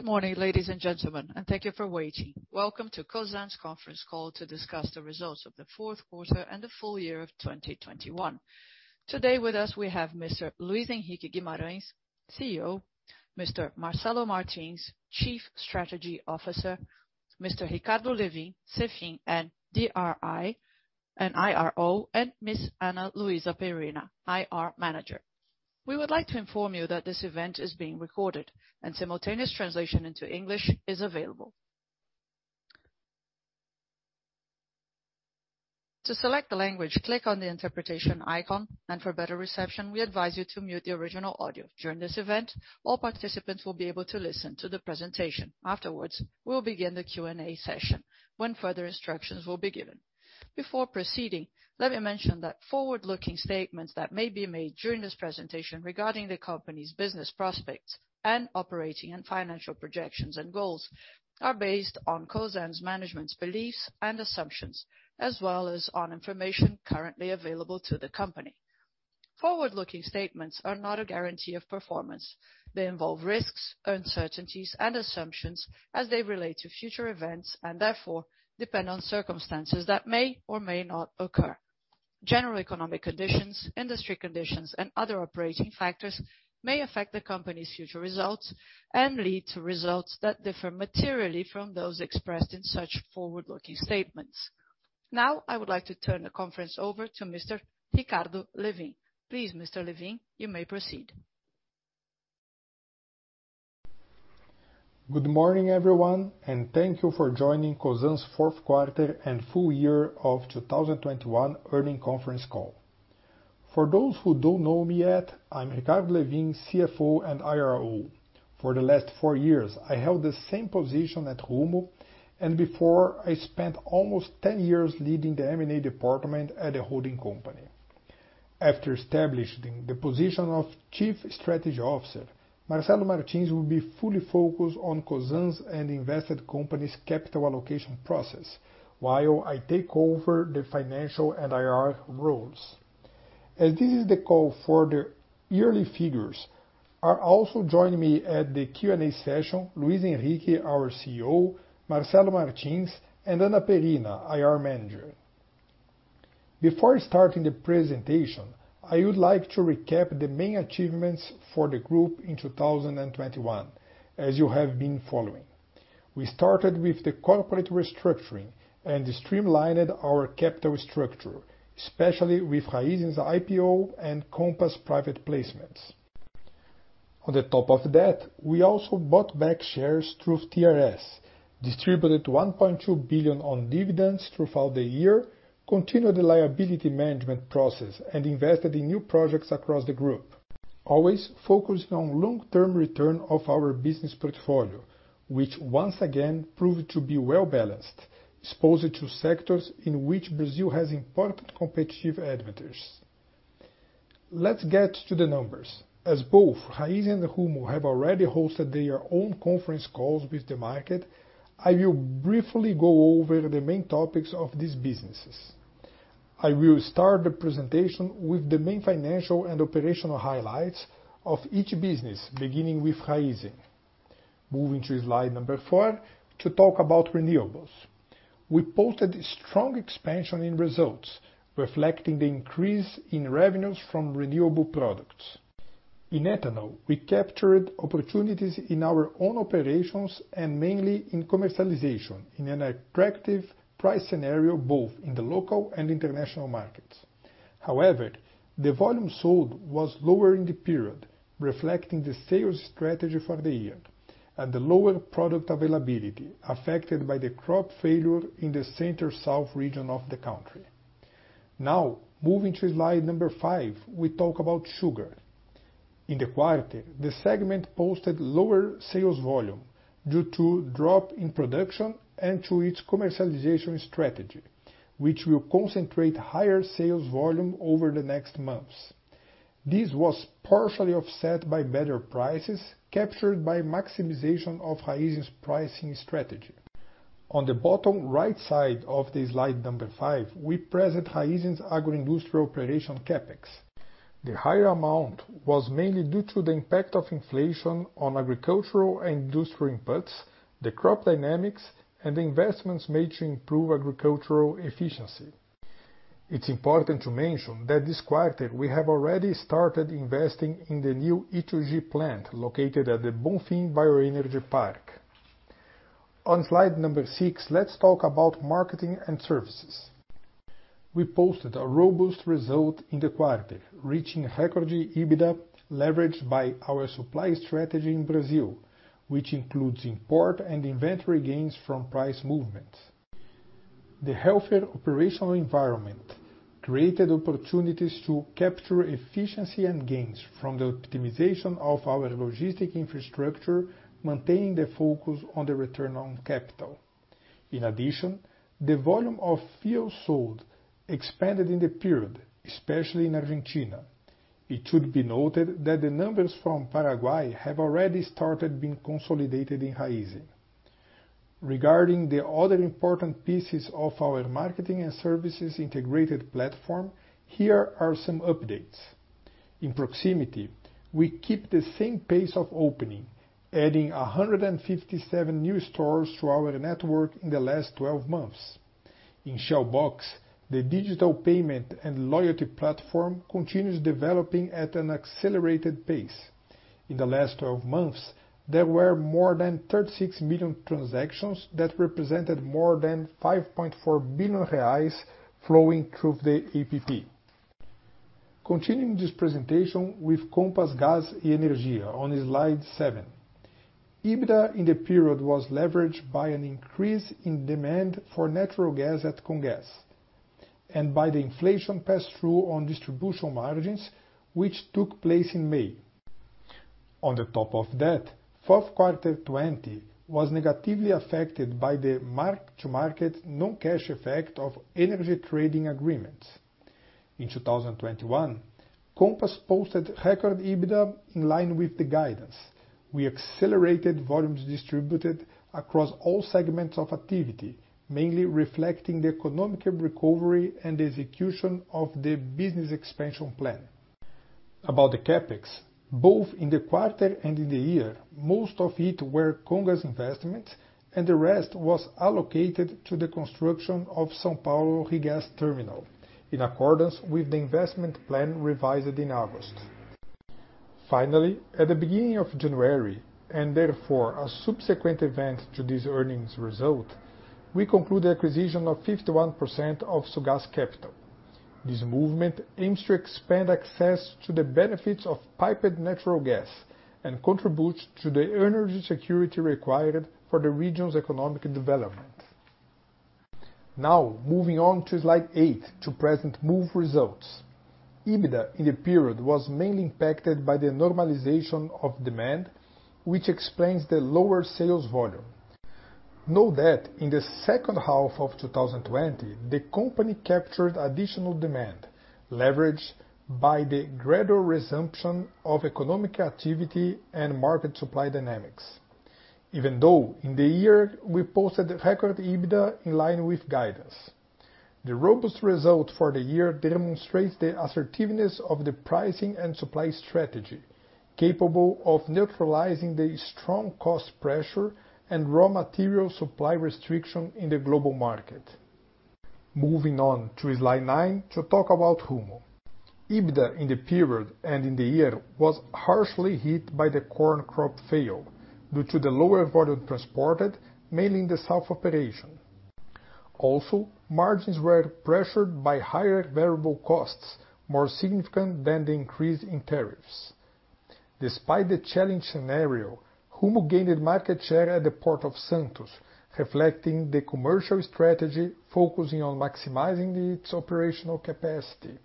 Good morning, ladies and gentlemen, and thank you for waiting. Welcome to Cosan's conference call to discuss the results of the fourth quarter and the full year of 2021. Today with us we have Mr. Luis Henrique Guimarães, CEO, Mr. Marcelo Martins, Chief Strategy Officer, Mr. Ricardo Lewin, CFO and DRI and IRO, and Ms. Ana Luísa Perina, IR Manager. We would like to inform you that this event is being recorded and simultaneous translation into English is available. To select the language, click on the interpretation icon, and for better reception, we advise you to mute the original audio. During this event, all participants will be able to listen to the presentation. Afterwards, we will begin the Q&A session when further instructions will be given. Before proceeding, let me mention that forward-looking statements that may be made during this presentation regarding the company's business prospects and operating and financial projections and goals are based on Cosan's management's beliefs and assumptions as well as on information currently available to the company. Forward-looking statements are not a guarantee of performance. They involve risks, uncertainties, and assumptions as they relate to future events, and therefore depend on circumstances that may or may not occur. General economic conditions, industry conditions, and other operating factors may affect the company's future results and lead to results that differ materially from those expressed in such forward-looking statements. Now, I would like to turn the conference over to Mr. Ricardo Lewin. Please, Mr. Lewin, you may proceed. Good morning, everyone, and thank you for joining Cosan's fourth quarter and full year 2021 earnings conference call. For those who don't know me yet, I'm Ricardo Lewin, CFO and IRO. For the last four years, I held the same position at Rumo, and before, I spent almost 10 years leading the M&A department at the holding company. After establishing the position of Chief Strategy Officer, Marcelo Martins will be fully focused on Cosan's and invested companies' capital allocation process while I take over the financial and IR roles. As this is the call for the yearly figures, they are also joining me at the Q&A session, Luis Henrique, our CEO, Marcelo Martins, and Ana Perina, IR Manager. Before starting the presentation, I would like to recap the main achievements for the group in 2021 as you have been following. We started with the corporate restructuring and streamlined our capital structure, especially with Raízen's IPO and Compass private placements. On top of that, we also bought back shares through TRS, distributed 1.2 billion in dividends throughout the year, continued the liability management process, and invested in new projects across the group, always focusing on long-term return of our business portfolio, which once again proved to be well-balanced, exposed to sectors in which Brazil has important competitive advantages. Let's get to the numbers. As both Raízen and Rumo have already hosted their own conference calls with the market, I will briefly go over the main topics of these businesses. I will start the presentation with the main financial and operational highlights of each business, beginning with Raízen. Moving to slide number four to talk about renewables. We posted strong expansion in results, reflecting the increase in revenues from renewable products. In ethanol, we captured opportunities in our own operations and mainly in commercialization in an attractive price scenario, both in the local and international markets. However, the volume sold was lower in the period, reflecting the sales strategy for the year and the lower product availability affected by the crop failure in the Center-South region of the country. Now, moving to slide number five, we talk about sugar. In the quarter, the segment posted lower sales volume due to drop in production and to its commercialization strategy, which will concentrate higher sales volume over the next months. This was partially offset by better prices captured by maximization of Raízen's pricing strategy. On the bottom right side of the slide number five, we present Raízen's agroindustrial operation CapEx. The higher amount was mainly due to the impact of inflation on agricultural and industrial inputs, the crop dynamics, and the investments made to improve agricultural efficiency. It's important to mention that this quarter we have already started investing in the new E2G plant located at the Bonfim Bioenergy Park. On slide number six, let's talk about marketing and services. We posted a robust result in the quarter, reaching record EBITDA leverage by our supply strategy in Brazil, which includes import and inventory gains from price movements. The healthier operational environment created opportunities to capture efficiency and gains from the optimization of our logistic infrastructure, maintaining the focus on the return on capital. In addition, the volume of fuel sold expanded in the period, especially in Argentina. It should be noted that the numbers from Paraguay have already started being consolidated in Raízen. Regarding the other important pieces of our marketing and services integrated platform, here are some updates. In proximity, we keep the same pace of opening, adding 157 new stores to our network in the last 12 months. In Shell Box, the digital payment and loyalty platform continues developing at an accelerated pace. In the last 12 months, there were more than 36 million transactions that represented more than 5.4 billion reais flowing through the app. Continuing this presentation with Compass Gás & Energia on slide seven. EBITDA in the period was leveraged by an increase in demand for natural gas at Comgás and by the inflation pass-through on distribution margins which took place in May. On the top of that, fourth quarter 2020 was negatively affected by the mark-to-market non-cash effect of energy trading agreements. In 2021, Compass posted record EBITDA in line with the guidance. We accelerated volumes distributed across all segments of activity, mainly reflecting the economic recovery and the execution of the business expansion plan. About the CapEx, both in the quarter and in the year, most of it were Comgás investments, and the rest was allocated to the construction of São Paulo Regas Terminal in accordance with the investment plan revised in August. Finally, at the beginning of January, and therefore a subsequent event to this earnings result, we conclude the acquisition of 51% of Sulgás Capital. This movement aims to expand access to the benefits of piped natural gas and contributes to the energy security required for the region's economic development. Now, moving on to slide eight to present Moove results. EBITDA in the period was mainly impacted by the normalization of demand, which explains the lower sales volume. Note that in the second half of 2020, the company captured additional demand leveraged by the gradual resumption of economic activity and market supply dynamics, even though in the year we posted record EBITDA in line with guidance. The robust result for the year demonstrates the assertiveness of the pricing and supply strategy, capable of neutralizing the strong cost pressure and raw material supply restriction in the global market. Moving on to slide nine to talk about Rumo. EBITDA in the period and in the year was harshly hit by the corn crop failure due to the lower volume transported mainly in the south operation. Also, margins were pressured by higher variable costs, more significant than the increase in tariffs. Despite the challenging scenario, Rumo gained market share at the Port of Santos, reflecting the commercial strategy focusing on maximizing its operational capacity.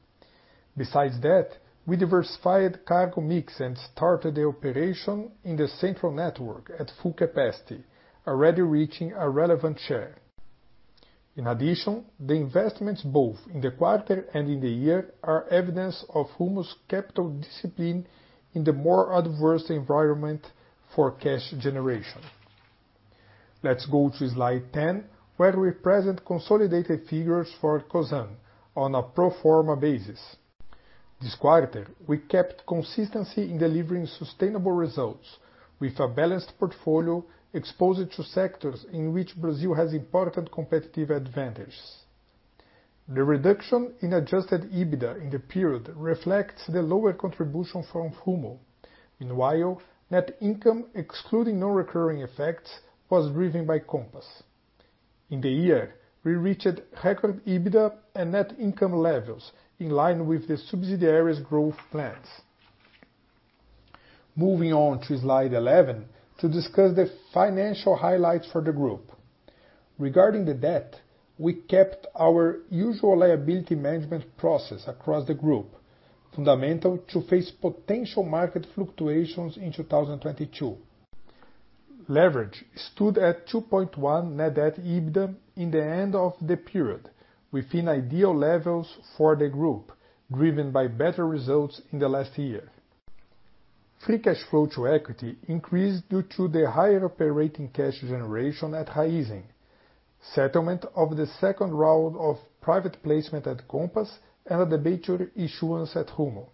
Besides that, we diversified cargo mix and started the operation in the central network at full capacity, already reaching a relevant share. In addition, the investments both in the quarter and in the year are evidence of Rumo's capital discipline in the more adverse environment for cash generation. Let's go to slide 10, where we present consolidated figures for Cosan on a pro forma basis. This quarter, we kept consistency in delivering sustainable results with a balanced portfolio exposed to sectors in which Brazil has important competitive advantages. The reduction in adjusted EBITDA in the period reflects the lower contribution from Rumo. Meanwhile, net income excluding non-recurring effects was driven by Compass. In the year, we reached record EBITDA and net income levels in line with the subsidiaries' growth plans. Moving on to slide 11 to discuss the financial highlights for the group. Regarding the debt, we kept our usual liability management process across the group, fundamental to face potential market fluctuations in 2022. Leverage stood at 2.1 net debt to EBITDA at the end of the period, within ideal levels for the group, driven by better results in the last year. Free cash flow to equity increased due to the higher operating cash generation at Raízen, settlement of the second round of private placement at Compass, and a debenture issuance at Rumo.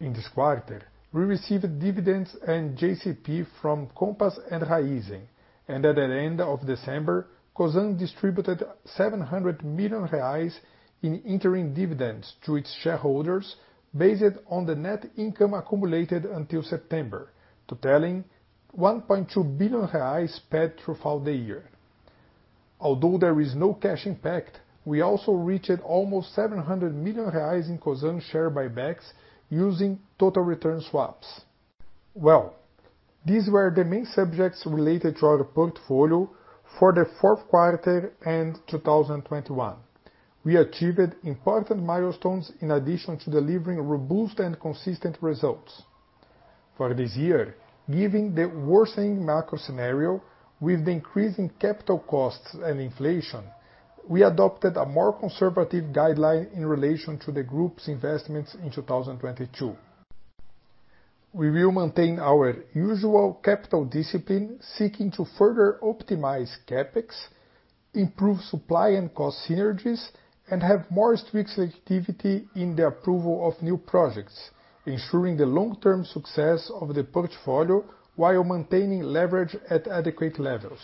In this quarter, we received dividends and JCP from Compass and Raízen, and at the end of December, Cosan distributed 700 million reais in interim dividends to its shareholders based on the net income accumulated until September, totaling 1.2 billion reais paid throughout the year. Although there is no cash impact, we also reached almost 700 million reais in Cosan share buybacks using total return swaps. Well, these were the main subjects related to our portfolio for the fourth quarter and 2021. We achieved important milestones in addition to delivering robust and consistent results. For this year, given the worsening macro scenario with the increase in capital costs and inflation, we adopted a more conservative guideline in relation to the group's investments in 2022. We will maintain our usual capital discipline, seeking to further optimize CapEx, improve supply and cost synergies, and have more strict selectivity in the approval of new projects, ensuring the long-term success of the portfolio while maintaining leverage at adequate levels.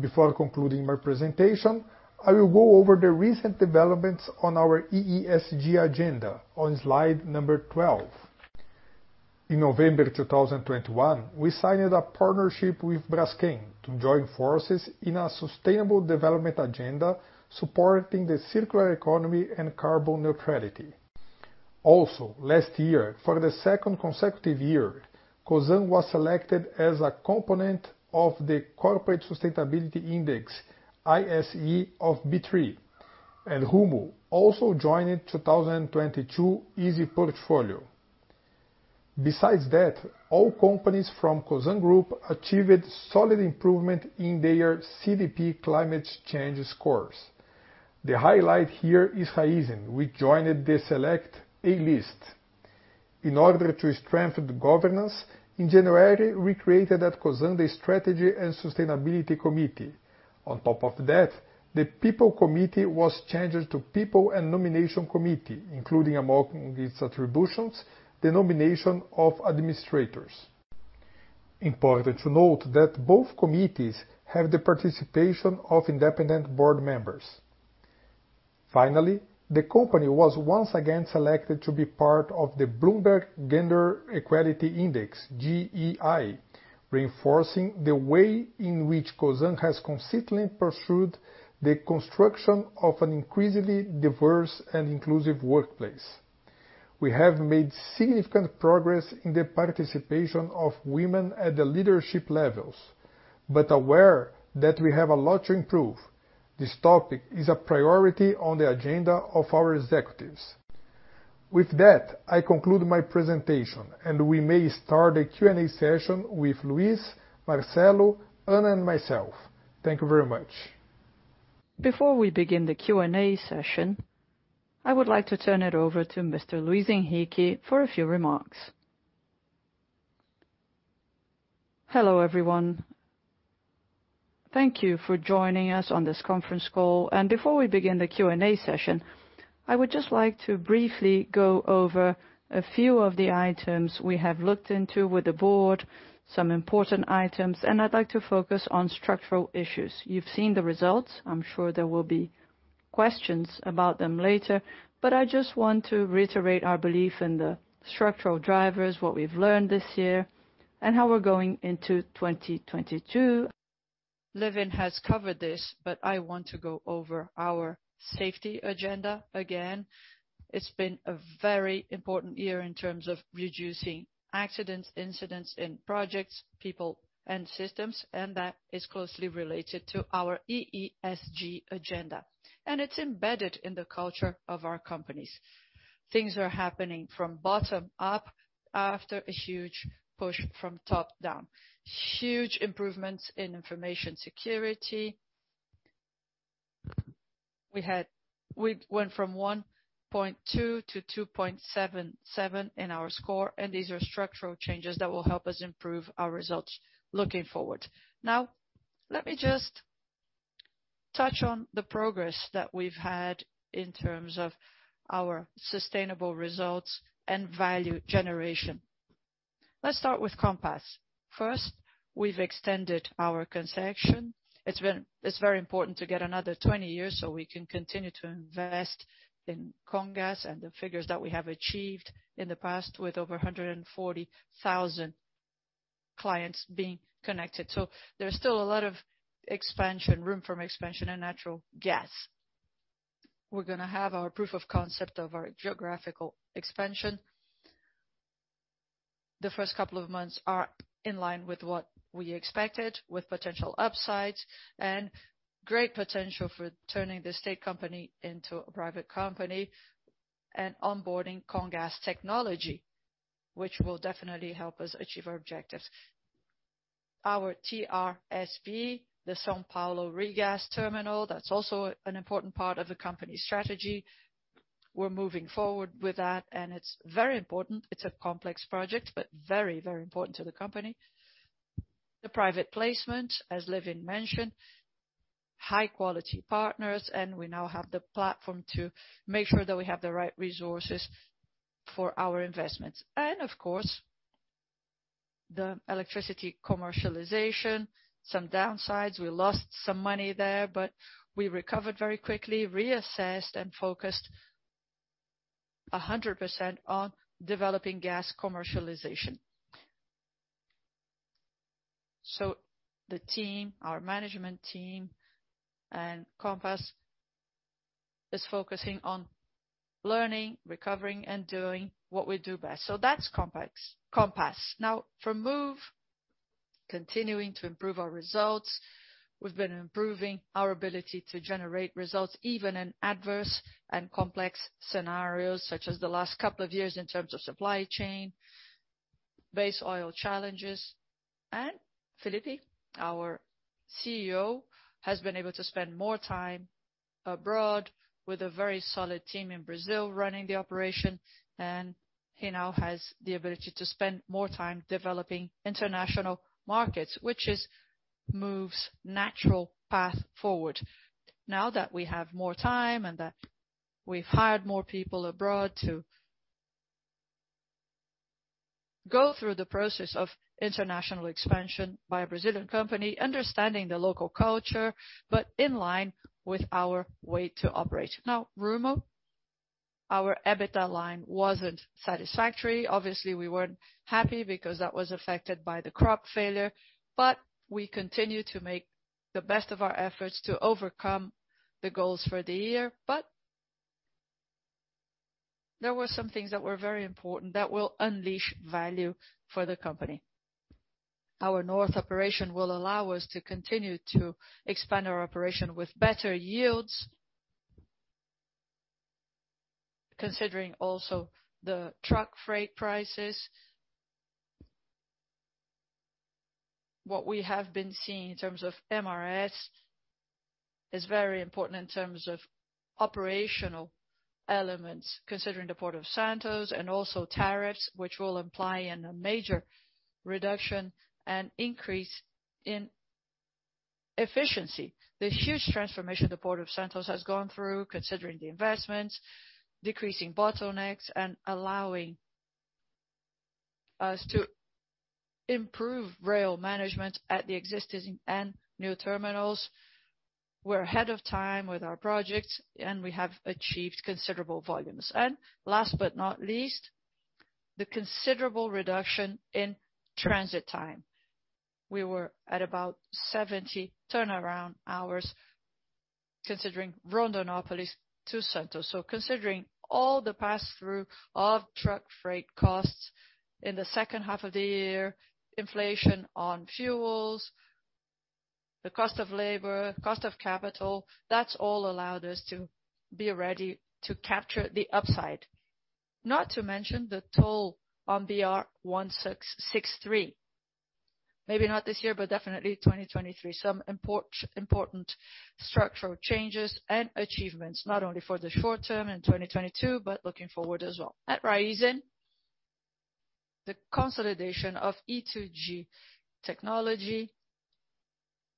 Before concluding my presentation, I will go over the recent developments on our EESG agenda on slide 12. In November 2021, we signed a partnership with Braskem to join forces in a sustainable development agenda supporting the circular economy and carbon neutrality. Also, last year, for the second consecutive year, Cosan was selected as a component of the Corporate Sustainability Index, ISE B3. Rumo also joined 2022 ISE portfolio. Besides that, all companies from Cosan group achieved solid improvement in their CDP climate change scores. The highlight here is Raízen, which joined the select A List. In order to strengthen governance, in January, we created at Cosan the Strategy and Sustainability Committee. On top of that, the People Committee was changed to People and Nominating Committee, including among its attributions the nomination of administrators. Important to note that both committees have the participation of independent board members. Finally, the company was once again selected to be part of the Bloomberg Gender-Equality Index, GEI, reinforcing the way in which Cosan has consistently pursued the construction of an increasingly diverse and inclusive workplace. We have made significant progress in the participation of women at the leadership levels. Aware that we have a lot to improve, this topic is a priority on the agenda of our executives. With that, I conclude my presentation, and we may start the Q&A session with Luis, Marcelo, Ana, and myself. Thank you very much. Before we begin the Q&A session, I would like to turn it over to Mr. Luis Henrique for a few remarks. Hello, everyone. Thank you for joining us on this conference call. Before we begin the Q&A session, I would just like to briefly go over a few of the items we have looked into with the board, some important items, and I'd like to focus on structural issues. You've seen the results. I'm sure there will be questions about them later. I just want to reiterate our belief in the structural drivers, what we've learned this year, and how we're going into 2022. Lewin has covered this, but I want to go over our safety agenda again. It's been a very important year in terms of reducing accidents, incidents in projects, people, and systems, and that is closely related to our EESG agenda, and it's embedded in the culture of our companies. Things are happening from bottom up after a huge push from top down. Huge improvements in information security. We went from 1.2 to 2.77 in our score, and these are structural changes that will help us improve our results looking forward. Now, let me just touch on the progress that we've had in terms of our sustainable results and value generation. Let's start with Compass. First, we've extended our concession. It's very important to get another 20 years so we can continue to invest in Comgás and the figures that we have achieved in the past with over 140,000 clients being connected. There's still a lot of expansion, room for expansion and natural gas. We're gonna have our proof of concept of our geographical expansion. The first couple of months are in line with what we expected with potential upsides and great potential for turning the state company into a private company and onboarding Comgás technology, which will definitely help us achieve our objectives. Our TRSP, the São Paulo Regas terminal, that's also an important part of the company's strategy. We're moving forward with that, and it's very important. It's a complex project, but very, very important to the company. The private placement, as Lewin mentioned, high-quality partners, and we now have the platform to make sure that we have the right resources for our investments. Of course, the electricity commercialization, some downsides. We lost some money there, but we recovered very quickly, reassessed and focused 100% on developing gas commercialization. The team, our management team and Compass is focusing on learning, recovering and doing what we do best. That's Compass. Now for Moove. Continuing to improve our results. We've been improving our ability to generate results even in adverse and complex scenarios, such as the last couple of years in terms of supply chain, base oil challenges. Felipe, our CEO, has been able to spend more time abroad with a very solid team in Brazil running the operation, and he now has the ability to spend more time developing international markets, which is Moove's natural path forward. Now that we have more time and that we've hired more people abroad to go through the process of international expansion by a Brazilian company, understanding the local culture, but in line with our way to operate. Now, Rumo, our EBITDA line wasn't satisfactory. Obviously, we weren't happy because that was affected by the crop failure. We continue to make the best of our efforts to overcome the goals for the year. There were some things that were very important that will unleash value for the company. Our North operation will allow us to continue to expand our operation with better yields, considering also the truck freight prices. What we have been seeing in terms of MRS is very important in terms of operational elements, considering the Port of Santos and also tariffs, which will imply a major reduction and increase in efficiency. The huge transformation the Port of Santos has gone through, considering the investments, decreasing bottlenecks, and allowing us to improve rail management at the existing and new terminals. We're ahead of time with our projects, and we have achieved considerable volumes. Last but not least, the considerable reduction in transit time. We were at about 70 turnaround hours considering Rondonópolis to Santos. Considering all the passthrough of truck freight costs in the second half of the year, inflation on fuels, the cost of labor, cost of capital, that's all allowed us to be ready to capture the upside. Not to mention the toll on BR-163. Maybe not this year, but definitely 2023. Some important structural changes and achievements, not only for the short term in 2022, but looking forward as well. At Raízen, the consolidation of E2G technology.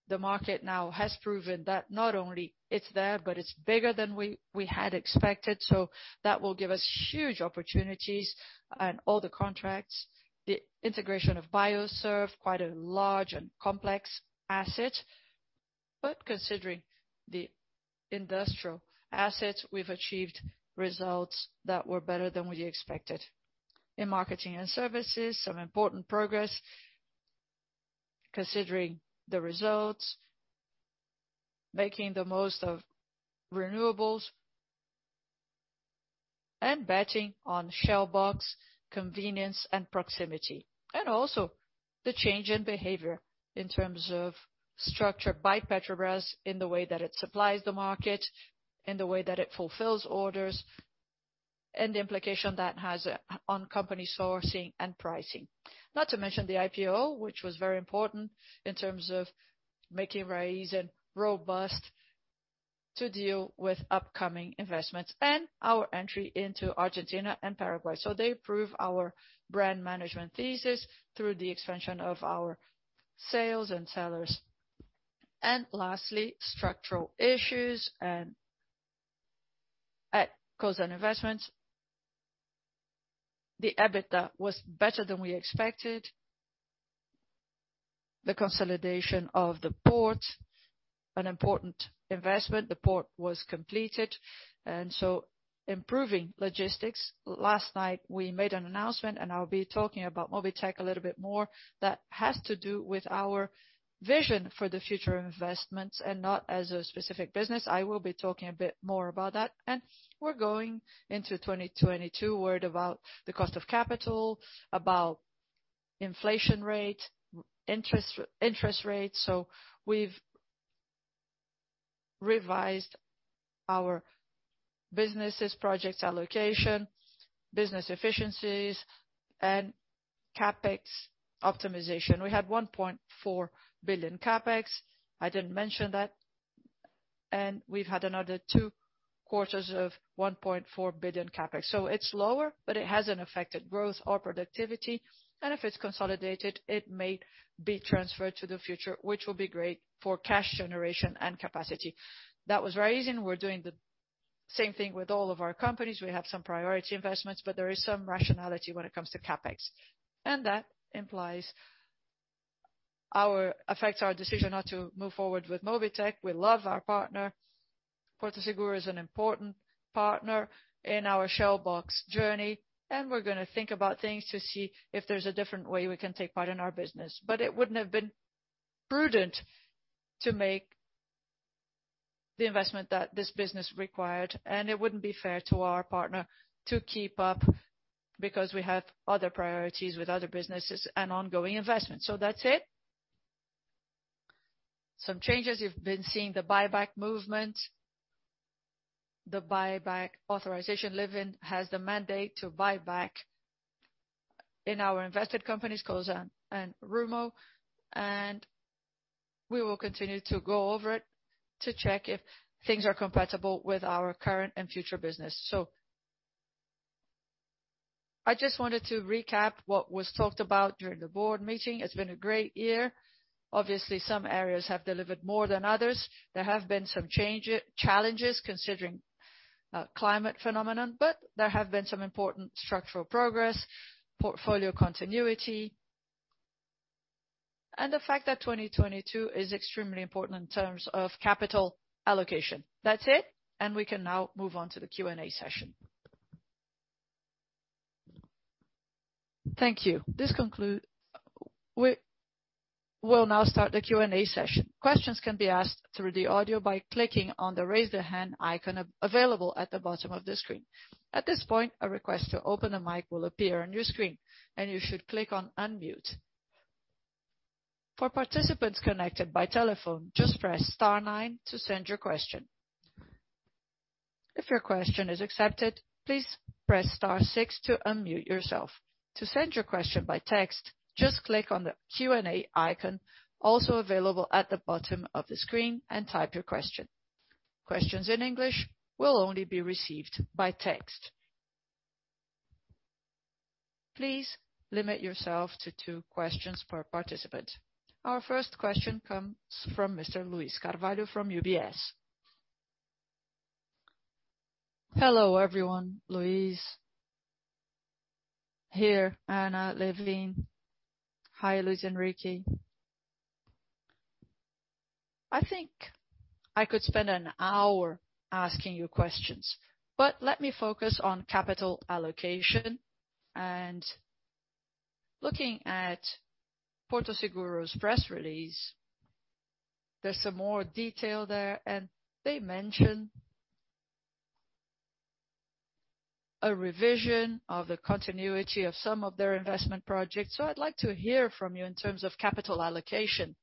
The market now has proven that not only it's there, but it's bigger than we had expected. That will give us huge opportunities on all the contracts. The integration of Biosev, quite a large and complex asset. Considering the industrial assets, we've achieved results that were better than we expected. In marketing and services, some important progress considering the results, making the most of renewables, and betting on Shell Box convenience and proximity. The change in behavior in terms of structure by Petrobras in the way that it supplies the market, in the way that it fulfills orders, and the implication that has on company sourcing and pricing. Not to mention the IPO, which was very important in terms of making Raízen robust to deal with upcoming investments and our entry into Argentina and Paraguay. They prove our brand management thesis through the expansion of our sales and sellers. Lastly, structural issues. At Cosan investments, the EBITDA was better than we expected. The consolidation of the port, an important investment. The port was completed, improving logistics. Last night, we made an announcement, and I'll be talking about Mobitech a little bit more. That has to do with our vision for the future investments and not as a specific business. I will be talking a bit more about that. We're going into 2022 worried about the cost of capital, about inflation rate, interest rates. We've revised our businesses, projects allocation, business efficiencies, and CapEx optimization. We had 1.4 billion CapEx. I didn't mention that. We've had another two quarters of 1.4 billion CapEx. It's lower, but it hasn't affected growth or productivity. If it's consolidated, it may be transferred to the future, which will be great for cash generation and capacity. That was Raízen. We're doing the same thing with all of our companies. We have some priority investments, but there is some rationality when it comes to CapEx. That implies our affects our decision not to move forward with Mobitech. We love our partner. Porto Seguro is an important partner in our Shell Box journey, and we're gonna think about things to see if there's a different way we can take part in our business. It wouldn't have been prudent to make the investment that this business required, and it wouldn't be fair to our partner to keep up because we have other priorities with other businesses and ongoing investments. That's it. Some changes you've been seeing, the buyback movement. The buyback authorization. Lewin has the mandate to buy back in our invested companies, Cosan and Rumo, and we will continue to go over it to check if things are compatible with our current and future business. I just wanted to recap what was talked about during the board meeting. It's been a great year. Obviously, some areas have delivered more than others. There have been some challenges considering climate phenomenon, but there have been some important structural progress, portfolio continuity, and the fact that 2022 is extremely important in terms of capital allocation. That's it, and we can now move on to the Q&A session. Thank you. We'll now start the Q&A session. Questions can be asked through the audio by clicking on the raise hand icon available at the bottom of the screen. At this point, a request to open a mic will appear on your screen and you should click on unmute. For participants connected by telephone, just press star nine to send your question. If your question is accepted, please press star six to unmute yourself. To send your question by text, just click on the Q&A icon also available at the bottom of the screen and type your question. Questions in English will only be received by text. Please limit yourself to two questions per participant. Our first question comes from Mr. Luiz Carvalho from UBS. Hello, everyone. Luiz here. Ana, Lewin. Hi, Luis and Ricky. I think I could spend an hour asking you questions, but let me focus on capital allocation and looking at Porto Seguro's press release, there's some more detail there, and they mention a revision of the continuity of some of their investment projects. I'd like to hear from you in terms of capital allocation.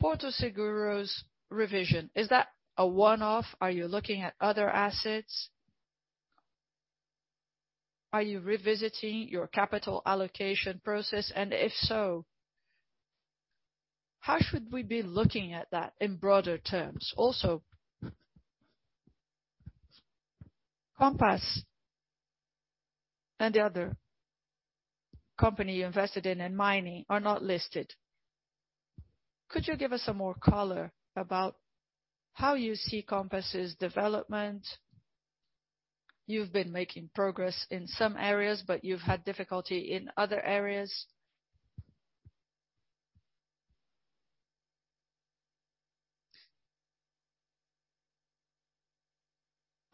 Porto Seguro's revision, is that a one-off? Are you looking at other assets? Are you revisiting your capital allocation process, and if so, how should we be looking at that in broader terms? Also, Compass and the other company you invested in mining, are not listed. Could you give us some more color about how you see Compass's development? You've been making progress in some areas, but you've had difficulty in other areas.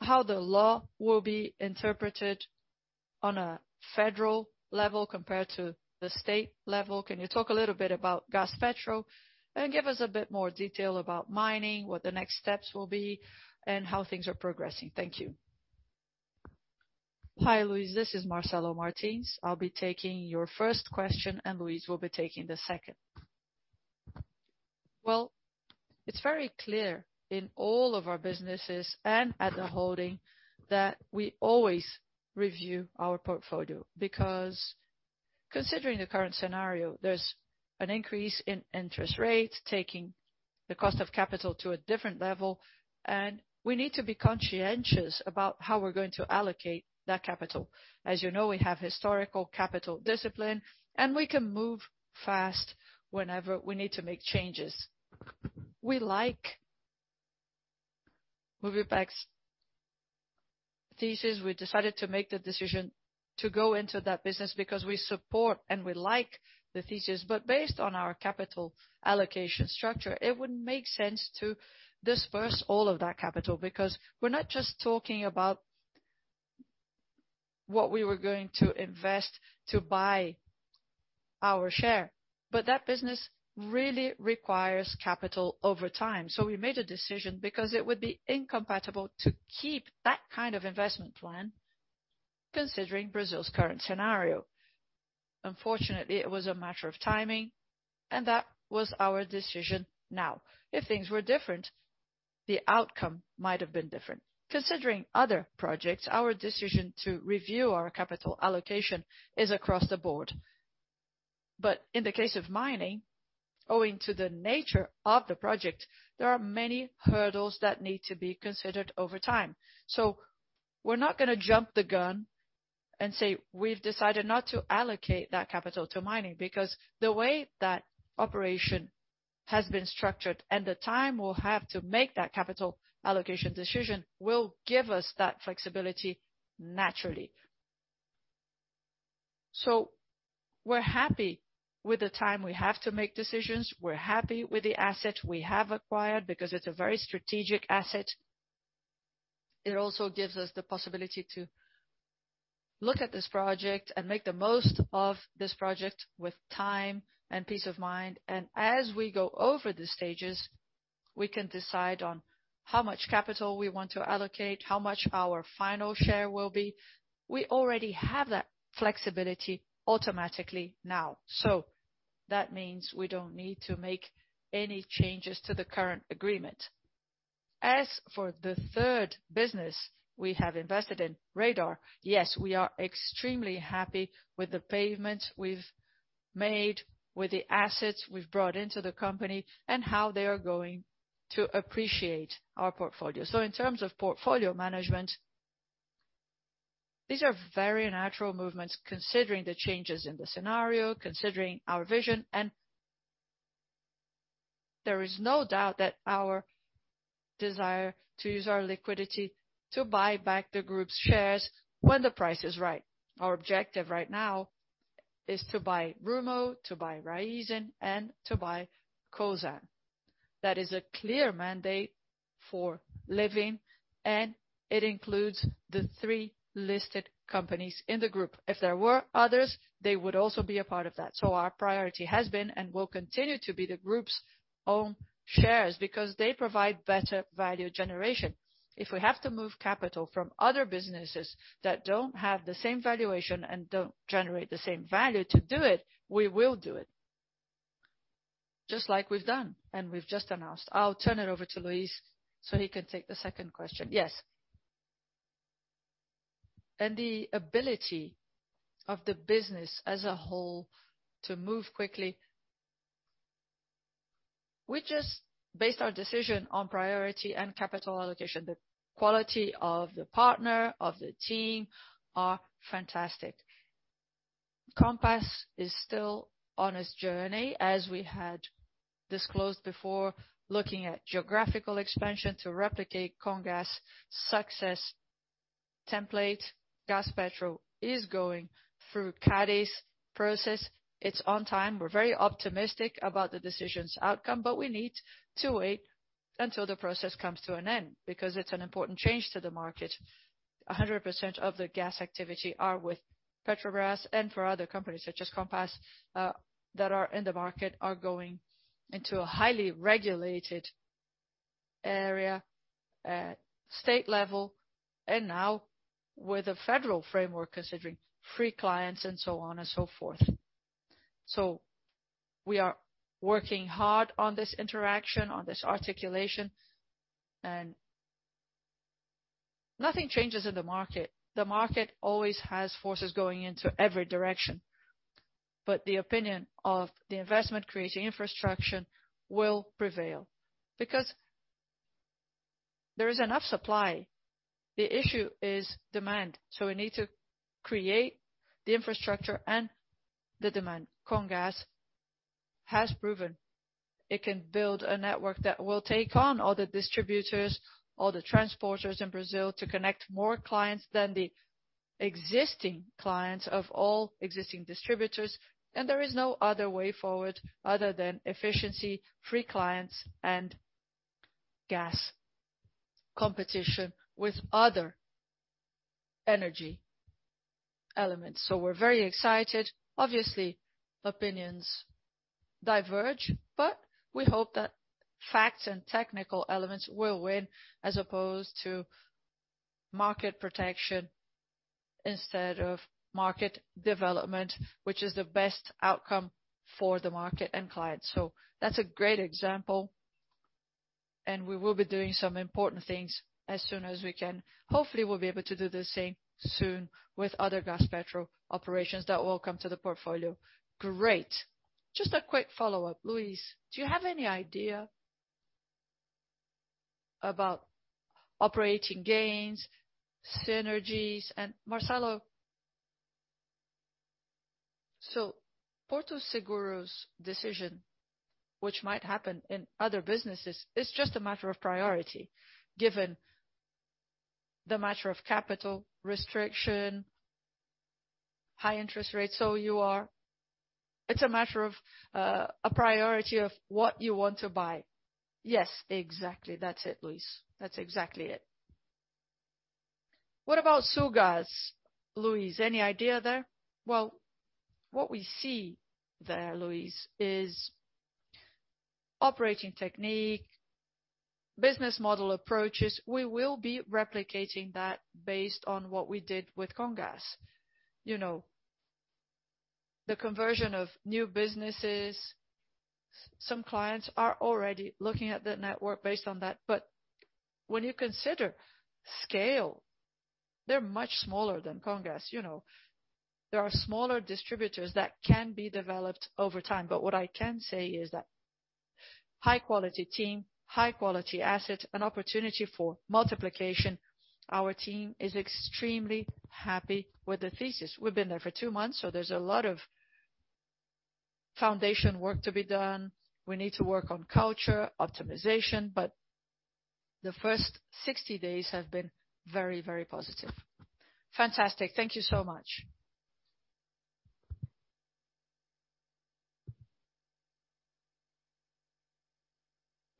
How the law will be interpreted on a federal level compared to the state level. Can you talk a little bit about Gaspetro and give us a bit more detail about mining, what the next steps will be and how things are progressing? Thank you. Hi, Luiz. This is Marcelo Martins. I'll be taking your first question, and Luis will be taking the second. Well, it's very clear in all of our businesses and at the holding that we always review our portfolio because considering the current scenario, there's an increase in interest rates, taking the cost of capital to a different level, and we need to be conscientious about how we're going to allocate that capital. As you know, we have historical capital discipline, and we can move fast whenever we need to make changes. We like Moove's thesis. We decided to make the decision to go into that business because we support and we like the thesis. Based on our capital allocation structure, it wouldn't make sense to disperse all of that capital because we're not just talking about what we were going to invest to buy our share. That business really requires capital over time. We made a decision because it would be incompatible to keep that kind of investment plan considering Brazil's current scenario. Unfortunately, it was a matter of timing, and that was our decision now. If things were different, the outcome might have been different. Considering other projects, our decision to review our capital allocation is across the board. In the case of mining, owing to the nature of the project, there are many hurdles that need to be considered over time. We're not gonna jump the gun and say we've decided not to allocate that capital to mining because the way that operation has been structured and the time we'll have to make that capital allocation decision will give us that flexibility naturally. We're happy with the time we have to make decisions. We're happy with the asset we have acquired because it's a very strategic asset. It also gives us the possibility to look at this project and make the most of this project with time and peace of mind. As we go over the stages, we can decide on how much capital we want to allocate, how much our final share will be. We already have that flexibility automatically now, so that means we don't need to make any changes to the current agreement. As for the third business we have invested in, Radar, yes, we are extremely happy with the payments we've made, with the assets we've brought into the company and how they are going to appreciate our portfolio. In terms of portfolio management, these are very natural movements considering the changes in the scenario, considering our vision. There is no doubt that our desire to use our liquidity to buy back the group's shares when the price is right. Our objective right now is to buy Rumo, to buy Raízen, and to buy Cosan. That is a clear mandate for Lewin, and it includes the three listed companies in the group. If there were others, they would also be a part of that. Our priority has been and will continue to be the group's own shares because they provide better value generation. If we have to move capital from other businesses that don't have the same valuation and don't generate the same value to do it, we will do it just like we've done and we've just announced. I'll turn it over to Luis so he can take the second question. Yes. The ability of the business as a whole to move quickly, we just based our decision on priority and capital allocation. The quality of the partner, of the team are fantastic. Compass is still on its journey, as we had disclosed before, looking at geographical expansion to replicate Comgás' success template. Gaspetro is going through CADE's process. It's on time. We're very optimistic about the decision's outcome, but we need to wait until the process comes to an end because it's an important change to the market. 100% of the gas activity are with Petrobras and for other companies such as Compass, that are in the market are going into a highly regulated area at state level and now with a federal framework considering free clients and so on and so forth. We are working hard on this interaction, on this articulation, and nothing changes in the market. The market always has forces going into every direction. The opinion of the investment creating infrastructure will prevail because there is enough supply. The issue is demand, so we need to create the infrastructure and the demand. Comgás has proven it can build a network that will take on all the distributors, all the transporters in Brazil to connect more clients than the existing clients of all existing distributors. There is no other way forward other than efficiency, free clients and gas competition with other energy elements. We're very excited. Obviously, opinions diverge, but we hope that facts and technical elements will win as opposed to market protection instead of market development, which is the best outcome for the market and clients. That's a great example, and we will be doing some important things as soon as we can. Hopefully, we'll be able to do the same soon with other Gaspetro operations that will come to the portfolio. Great. Just a quick follow-up. Luis, do you have any idea about operating gains, synergies? Marcelo. Porto Seguro's decision, which might happen in other businesses, is just a matter of priority, given the matter of capital restriction, high interest rates. It's a matter of a priority of what you want to buy. Yes, exactly. That's it, Luiz. That's exactly it. What about Sulgás, Luis? Any idea there? Well, what we see there, Luiz, is operating technique, business model approaches. We will be replicating that based on what we did with Comgás. You know, the conversion of new businesses. Some clients are already looking at the network based on that. When you consider scale, they're much smaller than Comgás. You know, there are smaller distributors that can be developed over time. What I can say is that high quality team, high quality asset, an opportunity for multiplication. Our team is extremely happy with the thesis. We've been there for two months, so there's a lot of foundation work to be done. We need to work on culture optimization, but the first 60 days have been very, very positive. Fantastic. Thank you so much.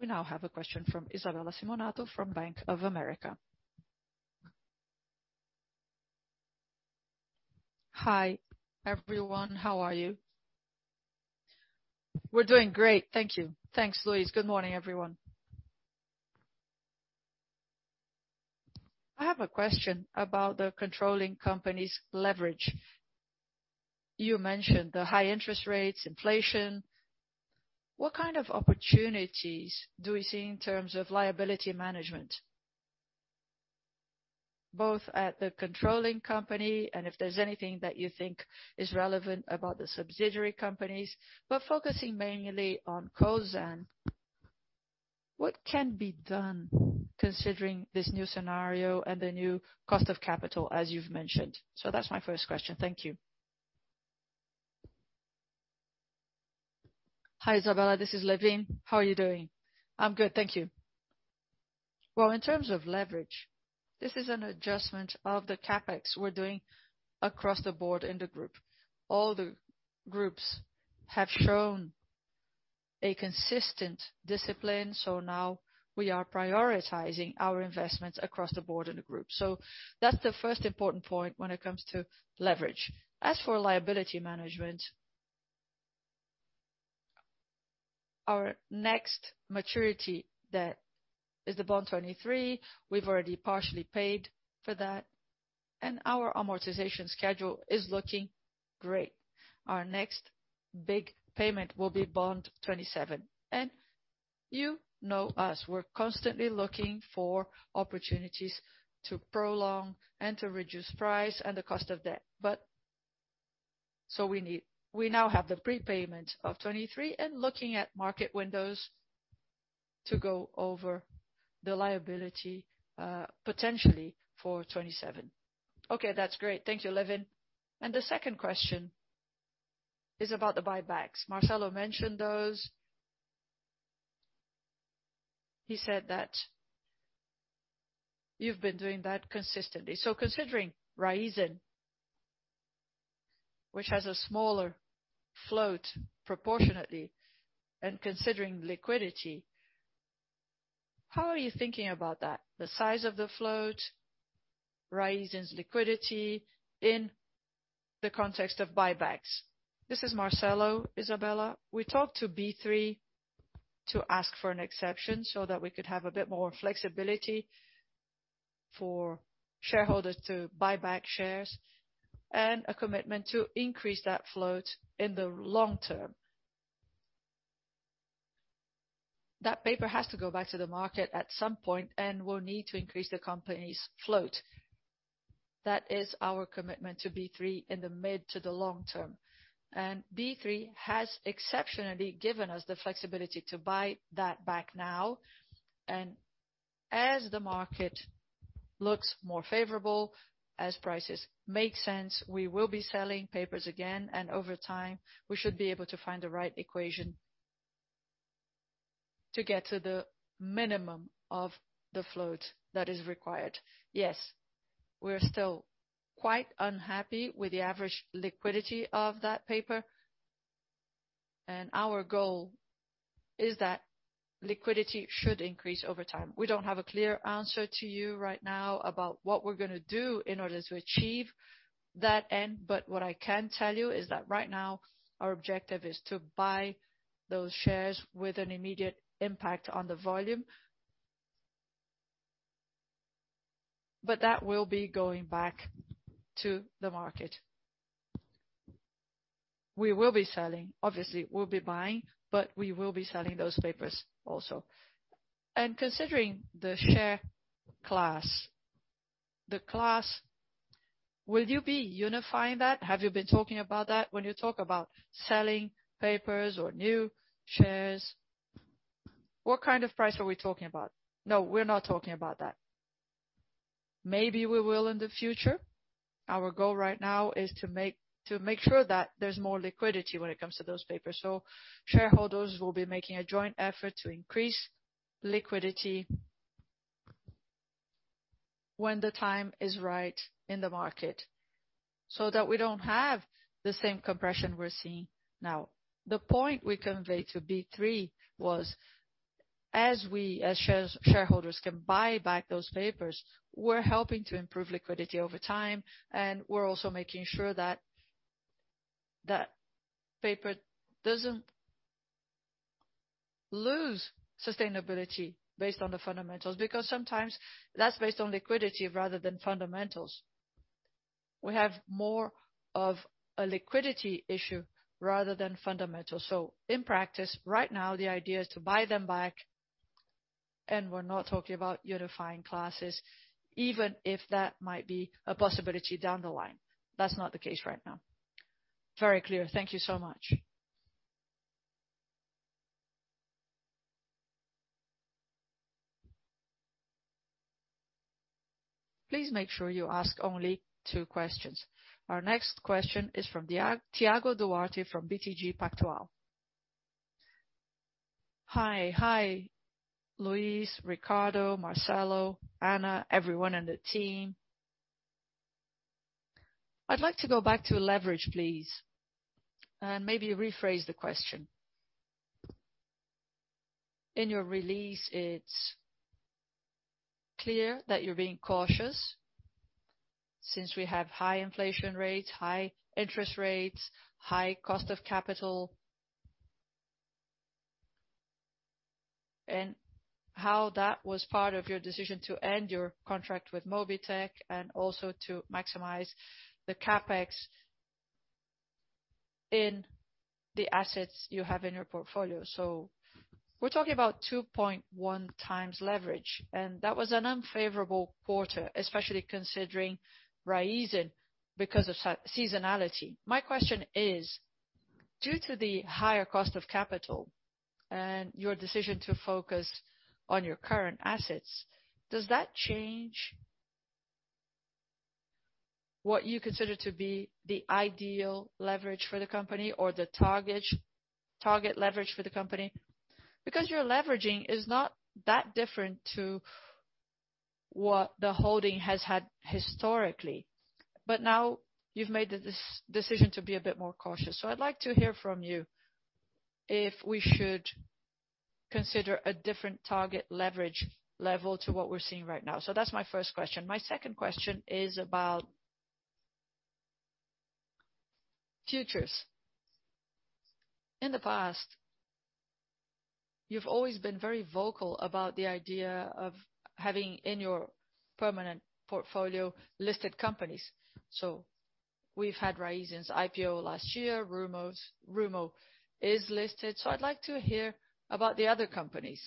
We now have a question from Isabella Simonato from Bank of America. Hi, everyone. How are you? We're doing great. Thank you. Thanks, Luis. Good morning, everyone. I have a question about the controlling company's leverage. You mentioned the high interest rates, inflation. What kind of opportunities do we see in terms of liability management, both at the controlling company and if there's anything that you think is relevant about the subsidiary companies, but focusing mainly on Cosan, what can be done considering this new scenario and the new cost of capital, as you've mentioned? That's my first question. Thank you. Hi, Isabella, this is Lewin. How are you doing? I'm good, thank you. Well, in terms of leverage, this is an adjustment of the CapEx we're doing across the board in the group. All the groups have shown a consistent discipline, so now we are prioritizing our investments across the board in the group. That's the first important point when it comes to leverage. As for liability management, our next maturity, that is the Bond 2023. We've already partially paid for that, and our amortization schedule is looking great. Our next big payment will be Bond 2027. You know us, we're constantly looking for opportunities to prolong and to reduce price and the cost of debt. We now have the prepayment of 2023 and looking at market windows to go over the liability, potentially for 2027. Okay, that's great. Thank you, Lewin. The second question is about the buybacks. Marcelo mentioned those. He said that you've been doing that consistently. Considering Raízen, which has a smaller float proportionately, and considering liquidity, how are you thinking about that, the size of the float, Raízen's liquidity in the context of buybacks? This is Marcelo, Isabella. We talked to B3 to ask for an exception so that we could have a bit more flexibility for shareholders to buy back shares and a commitment to increase that float in the long term. That paper has to go back to the market at some point, and we'll need to increase the company's float. That is our commitment to B3 in the mid to the long term. B3 has exceptionally given us the flexibility to buy that back now. As the market looks more favorable, as prices make sense, we will be selling papers again, and over time, we should be able to find the right equation to get to the minimum of the float that is required. Yes, we're still quite unhappy with the average liquidity of that paper, and our goal is that liquidity should increase over time. We don't have a clear answer to you right now about what we're gonna do in order to achieve that end. What I can tell you is that right now, our objective is to buy those shares with an immediate impact on the volume. That will be going back to the market. We will be selling. Obviously, we'll be buying, but we will be selling those papers also. Considering the share class, the class, will you be unifying that? Have you been talking about that when you talk about selling papers or new shares? What kind of price are we talking about? No, we're not talking about that. Maybe we will in the future. Our goal right now is to make sure that there's more liquidity when it comes to those papers. Shareholders will be making a joint effort to increase liquidity when the time is right in the market, so that we don't have the same compression we're seeing now. The point we conveyed to B3 was, as we, as shareholders can buy back those papers, we're helping to improve liquidity over time, and we're also making sure that paper doesn't lose sustainability based on the fundamentals, because sometimes that's based on liquidity rather than fundamentals. We have more of a liquidity issue rather than fundamentals. In practice, right now, the idea is to buy them back, and we're not talking about unifying classes, even if that might be a possibility down the line. That's not the case right now. Very clear. Thank you so much. Please make sure you ask only two questions. Our next question is from Thiago Duarte from BTG Pactual. Hi. Hi, Luis, Ricardo, Marcelo, Ana, everyone in the team. I'd like to go back to leverage, please, and maybe rephrase the question. In your release, it's clear that you're being cautious since we have high inflation rates, high interest rates, high cost of capital, and how that was part of your decision to end your contract with Mobitech and also to maximize the CapEx in the assets you have in your portfolio. We're talking about 2.1x leverage, and that was an unfavorable quarter, especially considering Raízen because of seasonality. My question is, due to the higher cost of capital and your decision to focus on your current assets, does that change what you consider to be the ideal leverage for the company or the target leverage for the company? Your leveraging is not that different to what the holding has had historically. Now you've made the decision to be a bit more cautious. I'd like to hear from you if we should consider a different target leverage level to what we're seeing right now. That's my first question. My second question is about futures. In the past, you've always been very vocal about the idea of having in your permanent portfolio listed companies. We've had Raízen's IPO last year. Rumo's, Rumo is listed. I'd like to hear about the other companies,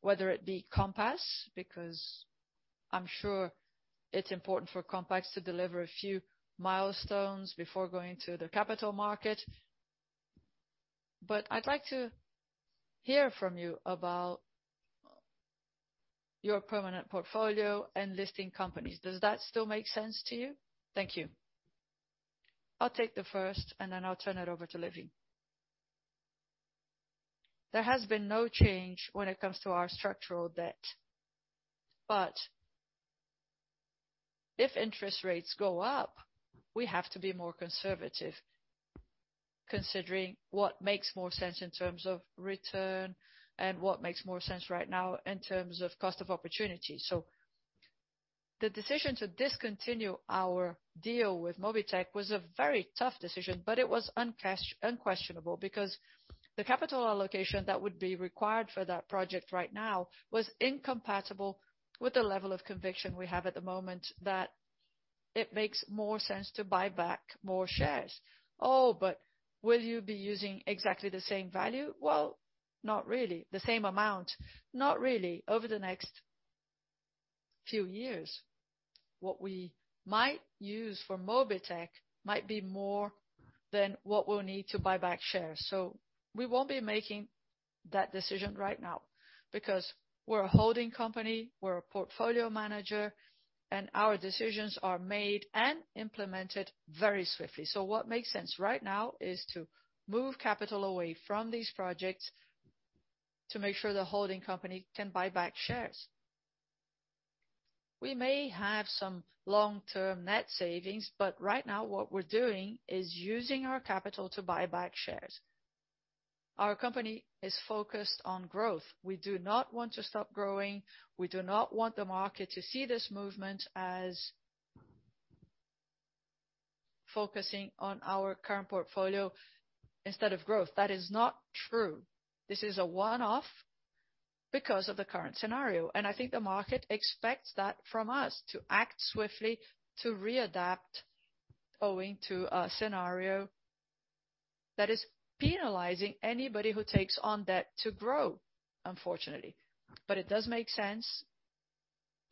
whether it be Compass, because I'm sure it's important for Compass to deliver a few milestones before going to the capital market. I'd like to hear from you about your permanent portfolio and listing companies. Does that still make sense to you? Thank you. I'll take the first, and then I'll turn it over to Lewin. There has been no change when it comes to our structural debt. If interest rates go up, we have to be more conservative, considering what makes more sense in terms of return and what makes more sense right now in terms of cost of opportunity. The decision to discontinue our deal with Mobitech was a very tough decision, but it was unquestionable because the capital allocation that would be required for that project right now was incompatible with the level of conviction we have at the moment that it makes more sense to buy back more shares. Oh, will you be using exactly the same value? Well, not really. The same amount? Not really. Over the next few years, what we might use for Mobitech might be more than what we'll need to buy back shares. We won't be making that decision right now because we're a holding company, we're a portfolio manager, and our decisions are made and implemented very swiftly. What makes sense right now is to move capital away from these projects to make sure the holding company can buy back shares. We may have some long-term net savings, but right now what we're doing is using our capital to buy back shares. Our company is focused on growth. We do not want to stop growing. We do not want the market to see this movement as focusing on our current portfolio instead of growth. That is not true. This is a one-off because of the current scenario, and I think the market expects that from us to act swiftly to readapt owing to a scenario that is penalizing anybody who takes on debt to grow, unfortunately. It does make sense,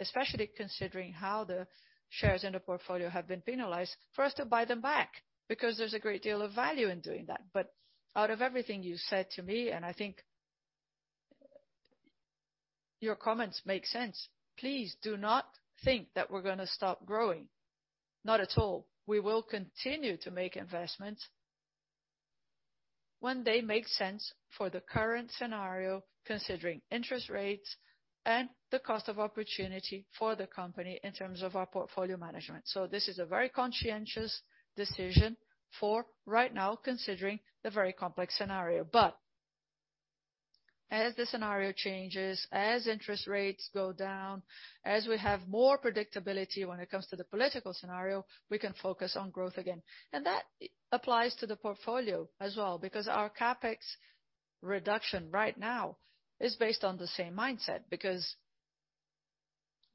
especially considering how the shares in the portfolio have been penalized, for us to buy them back because there's a great deal of value in doing that. Out of everything you said to me, and I think your comments make sense, please do not think that we're gonna stop growing. Not at all. We will continue to make investments when they make sense for the current scenario, considering interest rates and the cost of opportunity for the company in terms of our portfolio management. This is a very conscientious decision for right now, considering the very complex scenario. As the scenario changes, as interest rates go down, as we have more predictability when it comes to the political scenario, we can focus on growth again. That applies to the portfolio as well, because our CapEx reduction right now is based on the same mindset. Because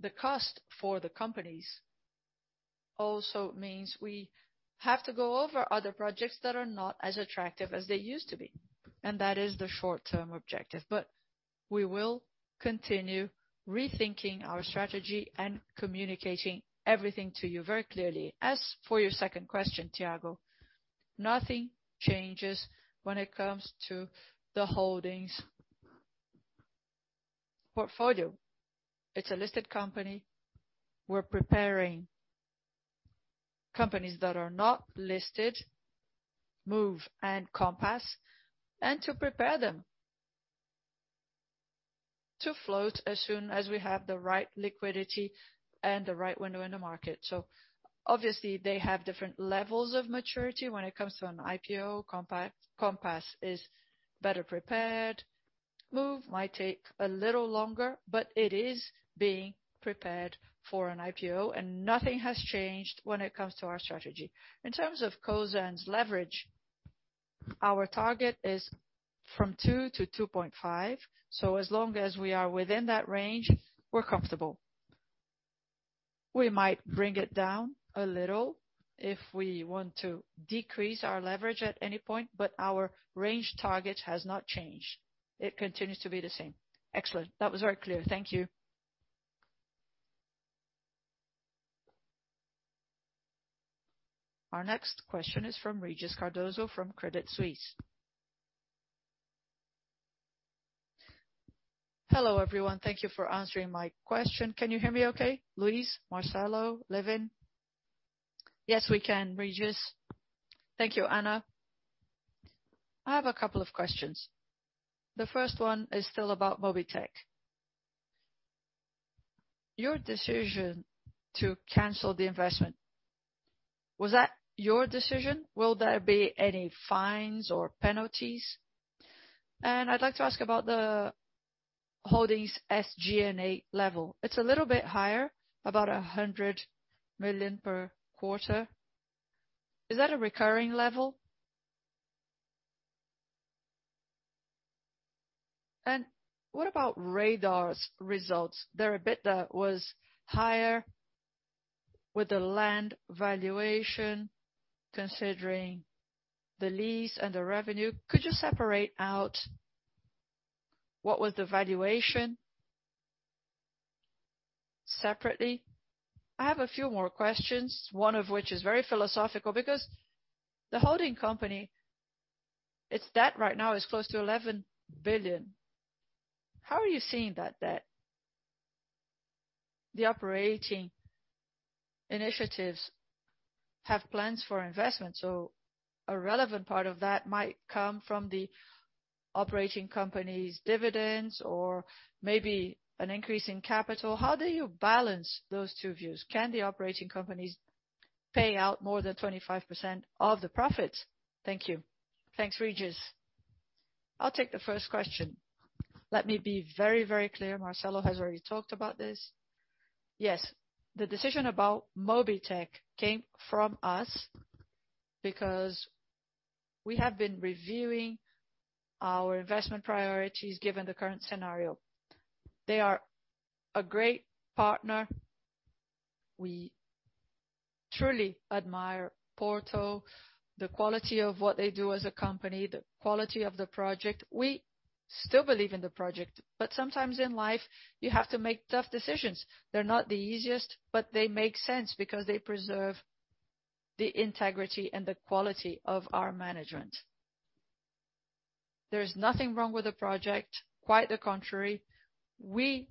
the cost for the companies also means we have to go over other projects that are not as attractive as they used to be, and that is the short-term objective. We will continue rethinking our strategy and communicating everything to you very clearly. As for your second question, Thiago, nothing changes when it comes to the holdings portfolio. It's a listed company. We're preparing companies that are not listed, Moove and Compass, and to prepare them to float as soon as we have the right liquidity and the right window in the market. Obviously, they have different levels of maturity when it comes to an IPO. Compass is better prepared. Moove might take a little longer, but it is being prepared for an IPO, and nothing has changed when it comes to our strategy. In terms of Cosan's leverage, our target is 2x-2.5x. As long as we are within that range, we're comfortable. We might bring it down a little if we want to decrease our leverage at any point, but our range target has not changed. It continues to be the same. Excellent. That was very clear. Thank you. Our next question is from Regis Cardoso from Credit Suisse. Hello, everyone. Thank you for answering my question. Can you hear me okay? Luis, Marcelo, Lewin? Yes, we can, Regis. Thank you, Ana. I have a couple of questions. The first one is still about Mobitech. Your decision to cancel the investment, was that your decision? Will there be any fines or penalties? I'd like to ask about the holding's SG&A level. It's a little bit higher, about 100 million per quarter. Is that a recurring level? What about Radar's results? They're a bit higher with the land valuation, considering the lease and the revenue. Could you separate out what was the valuation separately? I have a few more questions, one of which is very philosophical because the holding company, its debt right now is close to 11 billion. How are you seeing that debt? The operating initiatives have plans for investment, so a relevant part of that might come from the operating company's dividends or maybe an increase in capital. How do you balance those two views? Can the operating companies pay out more than 25% of the profits? Thank you. Thanks, Regis. I'll take the first question. Let me be very, very clear. Marcelo has already talked about this. Yes, the decision about Mobitech came from us because we have been reviewing our investment priorities given the current scenario. They are a great partner. We truly admire Porto, the quality of what they do as a company, the quality of the project. We still believe in the project, but sometimes in life, you have to make tough decisions. They're not the easiest, but they make sense because they preserve the integrity and the quality of our management. There is nothing wrong with the project. Quite the contrary. We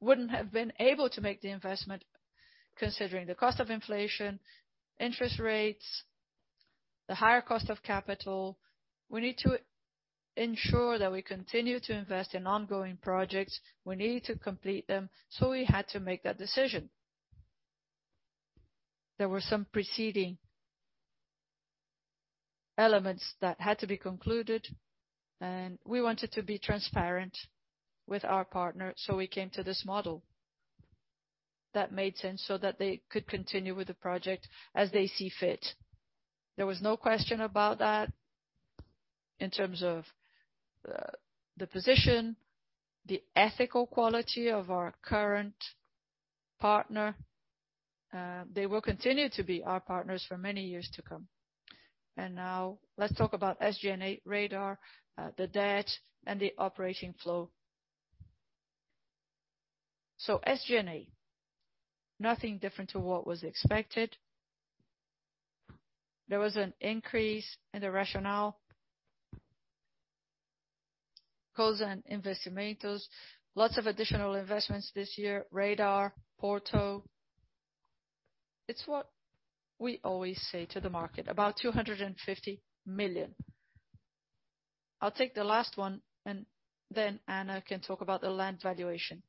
wouldn't have been able to make the investment considering the cost of inflation, interest rates, the higher cost of capital. We need to ensure that we continue to invest in ongoing projects. We need to complete them, so we had to make that decision. There were some preceding elements that had to be concluded, and we wanted to be transparent with our partner, so we came to this model that made sense so that they could continue with the project as they see fit. There was no question about that in terms of, the position, the ethical quality of our current partner. They will continue to be our partners for many years to come. Now let's talk about SG&A Radar, the debt and the operating flow. SG&A, nothing different to what was expected. There was an increase in the rationale. Cosan Investimentos, lots of additional investments this year, Radar, Porto. It's what we always say to the market, about 250 million. I'll take the last one, and then Ana can talk about the land valuation.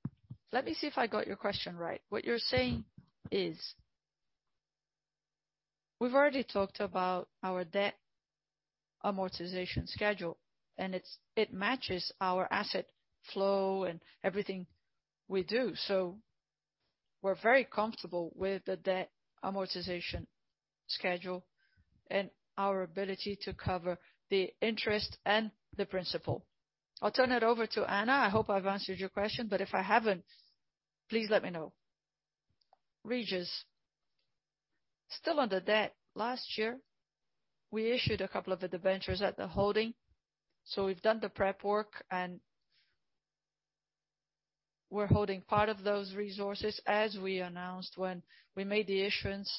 Let me see if I got your question right. What you're saying is. We've already talked about our debt amortization schedule, and it matches our asset flow and everything we do. We're very comfortable with the debt amortization schedule and our ability to cover the interest and the principal. I'll turn it over to Ana. I hope I've answered your question, but if I haven't, please let me know. Regis, still on the debt, last year we issued a couple of debentures at the holding. We've done the prep work and we're holding part of those resources as we announced when we made the issuance.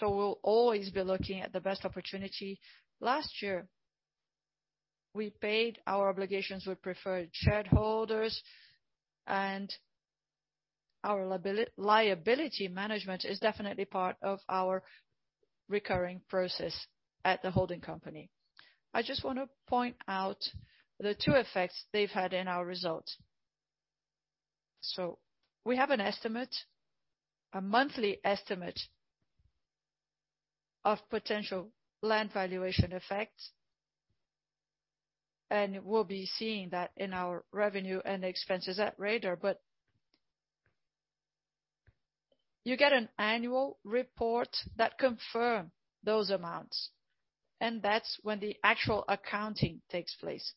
We'll always be looking at the best opportunity. Last year, we paid our obligations with preferred shareholders and our liability management is definitely part of our recurring process at the holding company. I just wanna point out the two effects they've had in our results. We have an estimate, a monthly estimate of potential land valuation effects. We'll be seeing that in our revenue and expenses at Radar. You get an annual report that confirm those amounts, and that's when the actual accounting takes place.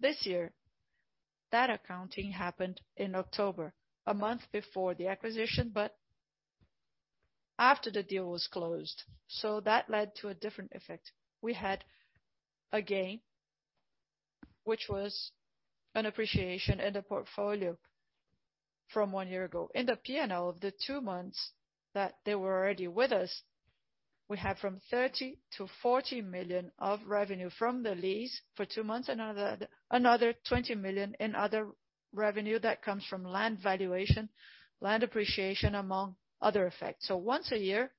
This year, that accounting happened in October, a month before the acquisition, but after the deal was closed, that led to a different effect. We had a gain, which was an appreciation in the portfolio from one year ago. In the P&L of the two months that they were already with us, we have from 30 million-40 million of revenue from the lease for two months. Another twenty million in other revenue that comes from land valuation, land appreciation, among other effects. Once a year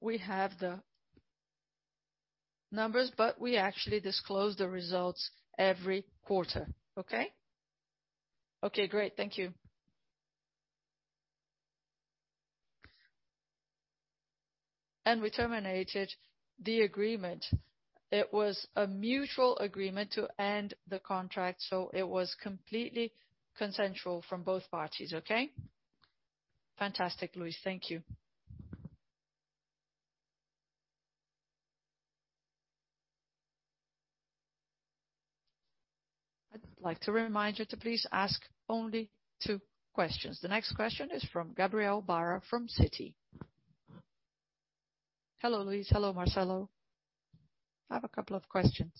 we have the numbers, but we actually disclose the results every quarter. Okay? Okay, great. Thank you. We terminated the agreement. It was a mutual agreement to end the contract, so it was completely consensual from both parties. Okay. Fantastic, Luis. Thank you. I'd like to remind you to please ask only two questions. The next question is from Gabriel Barra from Citi. Hello, Luis. Hello, Marcelo. I have a couple of questions.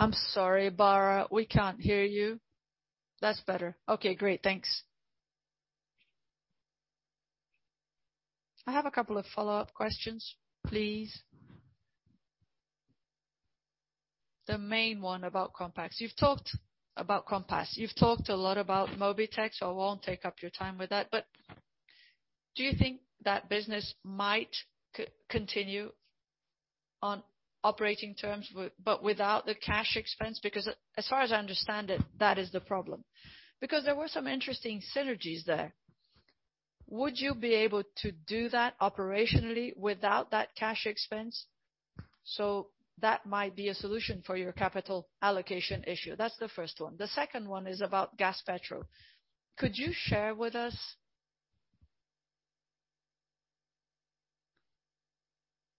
I'm sorry, Barra, we can't hear you. That's better. Okay, great. Thanks. I have a couple of follow-up questions, please. The main one about Compass. You've talked about Compass. You've talked a lot about Mobitech, so I won't take up your time with that. But do you think that business might continue on operating terms but without the cash expense? Because as far as I understand it, that is the problem. Because there were some interesting synergies there. Would you be able to do that operationally without that cash expense? That might be a solution for your capital allocation issue. That's the first one. The second one is about Gaspetro. Could you share with us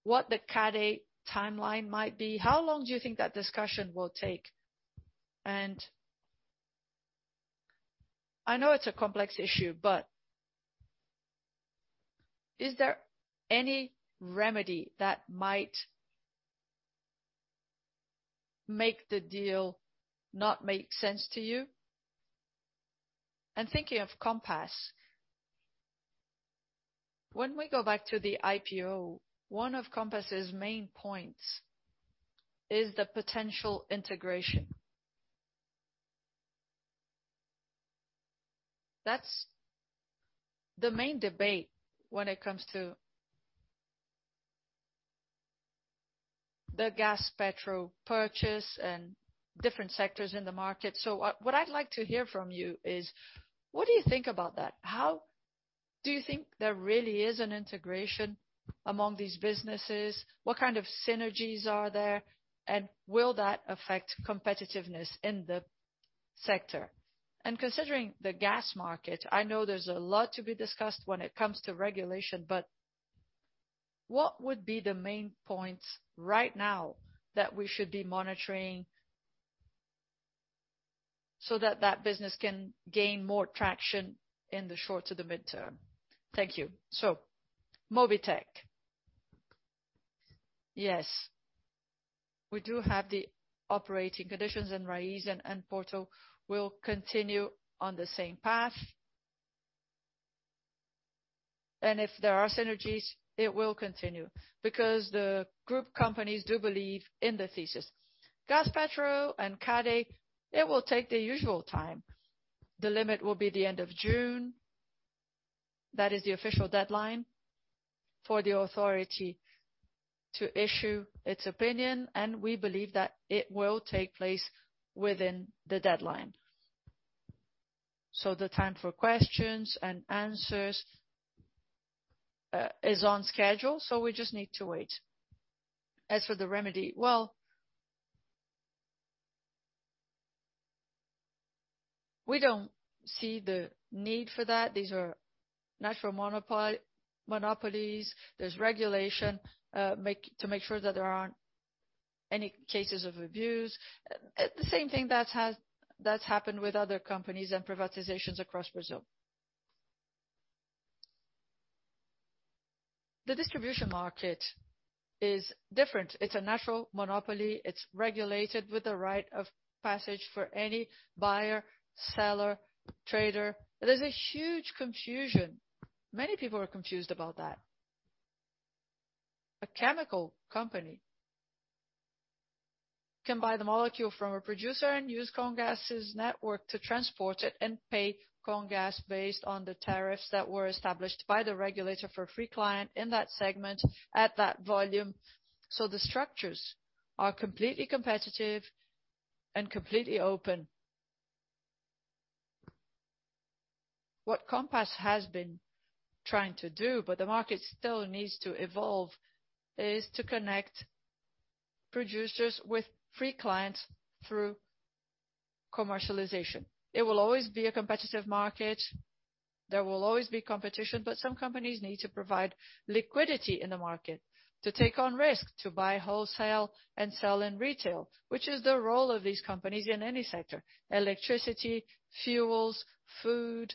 what the CADE timeline might be? How long do you think that discussion will take? And I know it's a complex issue, but is there any remedy that might make the deal not make sense to you? Thinking of Compass, when we go back to the IPO, one of Compass's main points is the potential integration. That's the main debate when it comes to the Gaspetro purchase and different sectors in the market. What I'd like to hear from you is what do you think about that? How do you think there really is an integration among these businesses? What kind of synergies are there? And will that affect competitiveness in the sector? Considering the gas market, I know there's a lot to be discussed when it comes to regulation, but what would be the main points right now that we should be monitoring so that that business can gain more traction in the short to the mid-term? Thank you. Mobitech. Yes, we do have the operating conditions, and Raízen and Porto will continue on the same path. If there are synergies, it will continue because the group companies do believe in the thesis. Gaspetro and CADE, it will take the usual time. The limit will be the end of June. That is the official deadline for the authority to issue its opinion, and we believe that it will take place within the deadline. The time for questions and answers is on schedule, so we just need to wait. As for the remedy, well, we don't see the need for that. These are natural monopolies. There's regulation to make sure that there aren't any cases of abuse. The same thing that's happened with other companies and privatizations across Brazil. The distribution market is different. It's a natural monopoly. It's regulated with the right of passage for any buyer, seller, trader. There's a huge confusion. Many people are confused about that. A chemical company can buy the molecule from a producer and use Comgás's network to transport it and pay Comgás based on the tariffs that were established by the regulator for free client in that segment at that volume. So the structures are completely competitive and completely open. What Compass has been trying to do, but the market still needs to evolve, is to connect producers with free clients through commercialization. It will always be a competitive market. There will always be competition, but some companies need to provide liquidity in the market to take on risk, to buy wholesale and sell in retail, which is the role of these companies in any sector. Electricity, fuels, food.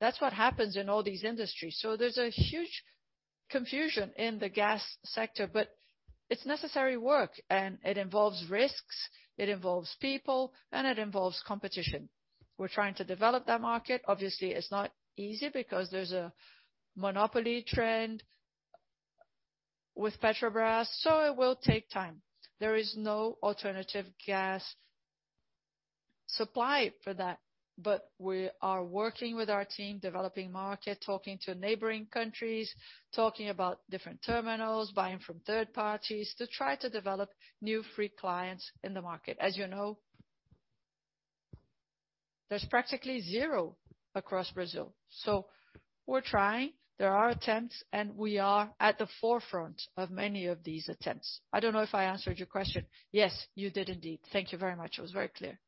That's what happens in all these industries. There's a huge confusion in the gas sector, but it's necessary work and it involves risks, it involves people, and it involves competition. We're trying to develop that market. Obviously, it's not easy because there's a monopoly trend with Petrobras, so it will take time. There is no alternative gas supply for that. We are working with our team, developing market, talking to neighboring countries, talking about different terminals, buying from third parties to try to develop new free clients in the market. As you know, there's practically zero across Brazil. We're trying. There are attempts, and we are at the forefront of many of these attempts. I don't know if I answered your question. Yes, you did indeed. Thank you very much. It was very clear.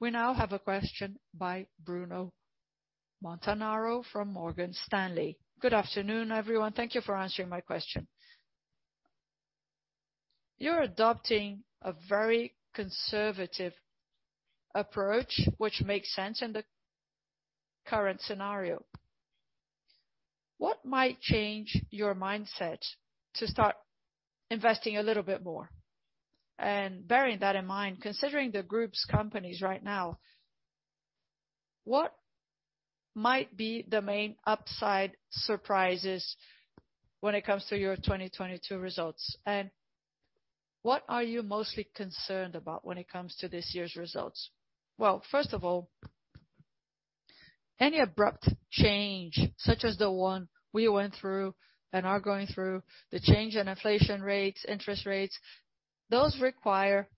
We now have a question by Bruno Montanari from Morgan Stanley. Good afternoon, everyone. Thank you for answering my question. You're adopting a very conservative approach, which makes sense in the current scenario. What might change your mindset to start investing a little bit more? And bearing that in mind, considering the group's companies right now, what might be the main upside surprises when it comes to your 2022 results? And what are you mostly concerned about when it comes to this year's results? Well, first of all, any abrupt change, such as the one we went through and are going through, the change in inflation rates, interest rates, those require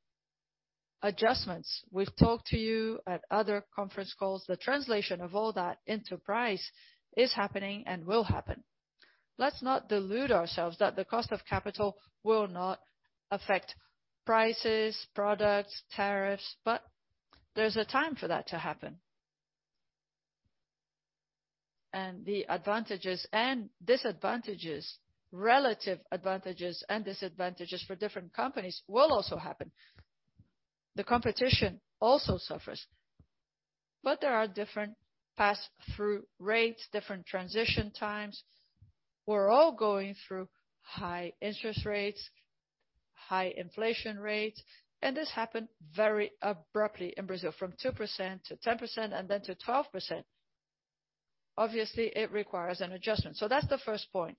adjustments. We've talked to you at other conference calls. The translation of all that into price is happening and will happen. Let's not delude ourselves that the cost of capital will not affect prices, products, tariffs, but there's a time for that to happen. The advantages and disadvantages, relative advantages and disadvantages for different companies will also happen. The competition also suffers, but there are different pass-through rates, different transition times. We're all going through high interest rates, high inflation rates, and this happened very abruptly in Brazil, from 2% to 10% and then to 12%. Obviously, it requires an adjustment. That's the first point.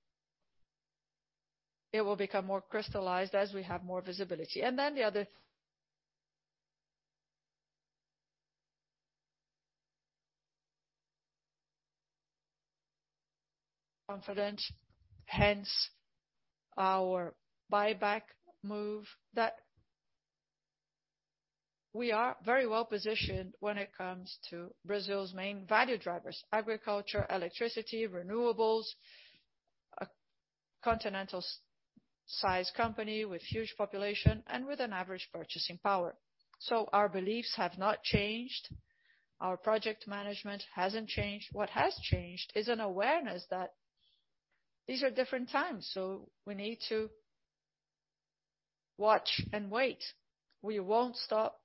It will become more crystallized as we have more visibility. Confident, hence our buyback move, that we are very well-positioned when it comes to Brazil's main value drivers, agriculture, electricity, renewables, a continental size company with huge population and with an average purchasing power. Our beliefs have not changed. Our project management hasn't changed. What has changed is an awareness that these are different times, so we need to watch and wait. We won't stop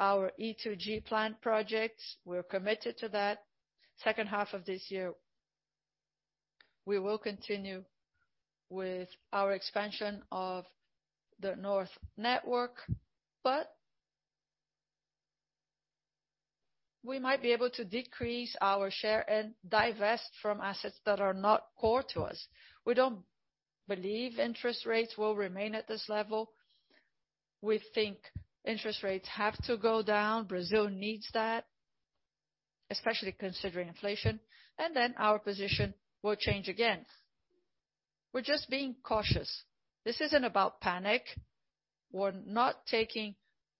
our E2G plant projects. We're committed to that second half of this year. We will continue with our expansion of the north network, but we might be able to decrease our share and divest from assets that are not core to us. We don't believe interest rates will remain at this level. We think interest rates have to go down. Brazil needs that, especially considering inflation, and then our position will change again. We're just being cautious. This isn't about panic. We're not taking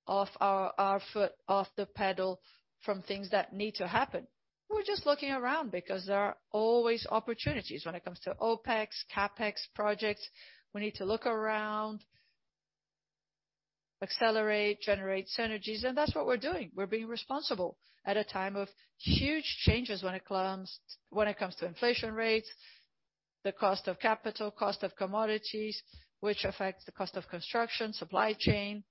off our foot off the pedal from things that need to happen. We're just looking around because there are always opportunities when it comes to OpEx, CapEx projects. We need to look around, accelerate, generate synergies, and that's what we're doing. We're being responsible at a time of huge changes when it comes to inflation rates, the cost of capital, cost of commodities, which affects the cost of construction, supply chain.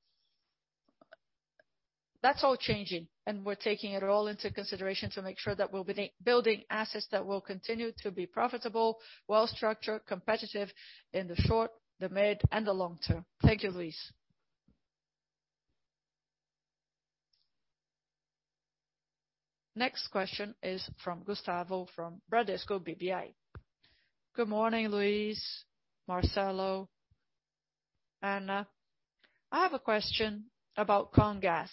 That's all changing, and we're taking it all into consideration to make sure that we'll be building assets that will continue to be profitable, well-structured, competitive in the short, mid, and long term. Thank you, Luis. Next question is from Gustavo from Bradesco BBI. Good morning, Luis, Marcelo, Ana. I have a question about Comgás.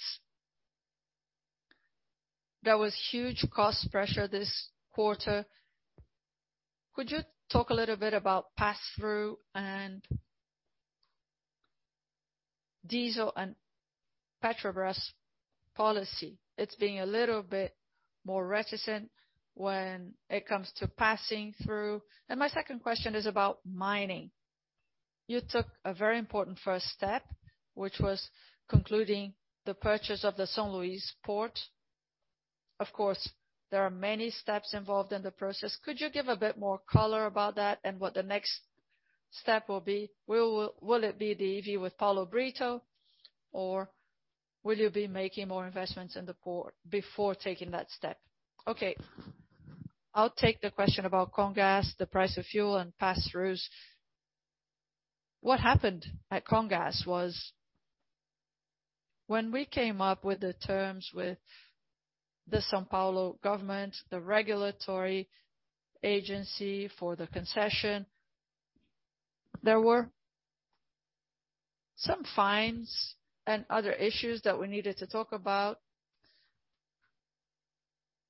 There was huge cost pressure this quarter. Could you talk a little bit about passthrough and diesel and Petrobras policy? It's being a little bit more reticent when it comes to passing through. My second question is about mining. You took a very important first step, which was concluding the purchase of the São Luís Port. Of course, there are many steps involved in the process. Could you give a bit more color about that and what the next step will be? Will it be the JV with Paulo Brito, or will you be making more investments in the port before taking that step? Okay, I'll take the question about Comgás, the price of fuel and passthroughs. What happened at Comgás was when we came up with the terms with the São Paulo government, the regulatory agency for the concession. There were some fines and other issues that we needed to talk about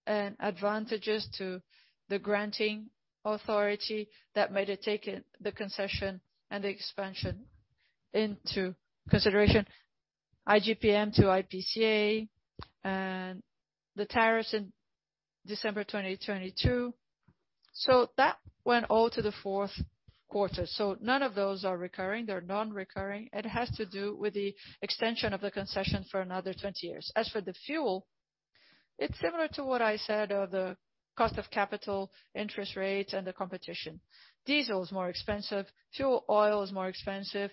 and advantages to the granting authority that made it take the concession and the expansion into consideration, IGPM to IPCA and the tariffs in December 2022. That went all to the fourth quarter. None of those are recurring, they're non-recurring. It has to do with the extension of the concession for another 20 years. As for the fuel, it's similar to what I said of the cost of capital, interest rates and the competition. Diesel is more expensive, fuel oil is more expensive.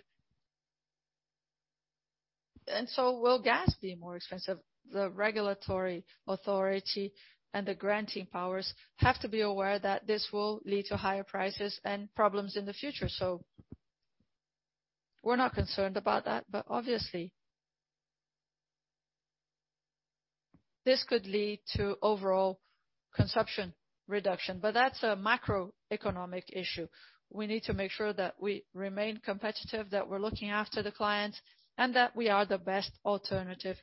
Will gas be more expensive. The regulatory authority and the granting powers have to be aware that this will lead to higher prices and problems in the future. We're not concerned about that. Obviously, this could lead to overall consumption reduction. That's a macroeconomic issue. We need to make sure that we remain competitive, that we're looking after the clients, and that we are the best alternative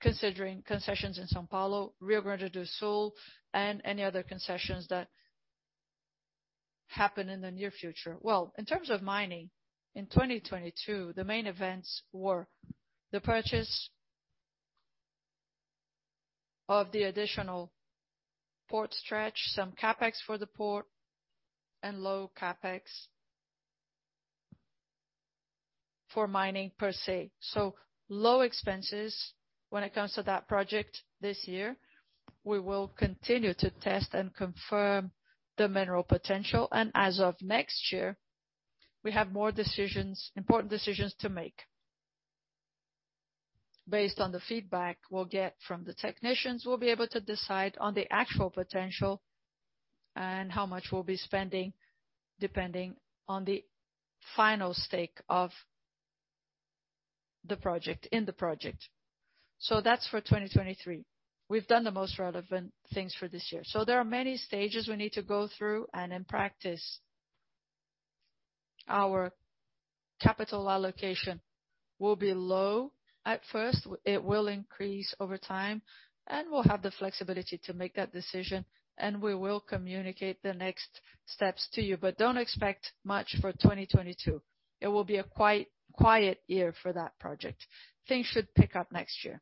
considering concessions in São Paulo, Rio Grande do Sul and any other concessions that happen in the near future. Well, in terms of mining, in 2022, the main events were the purchase of the additional port stretch, some CapEx for the port and low CapEx for mining per se. Low expenses when it comes to that project this year. We will continue to test and confirm the mineral potential. As of next year, we have more decisions, important decisions to make. Based on the feedback we'll get from the technicians, we'll be able to decide on the actual potential and how much we'll be spending, depending on the final stage in the project. That's for 2023. We've done the most relevant things for this year. There are many stages we need to go through and in practice. Our capital allocation will be low at first. It will increase over time, and we'll have the flexibility to make that decision, and we will communicate the next steps to you. Don't expect much for 2022. It will be a quiet year for that project. Things should pick up next year.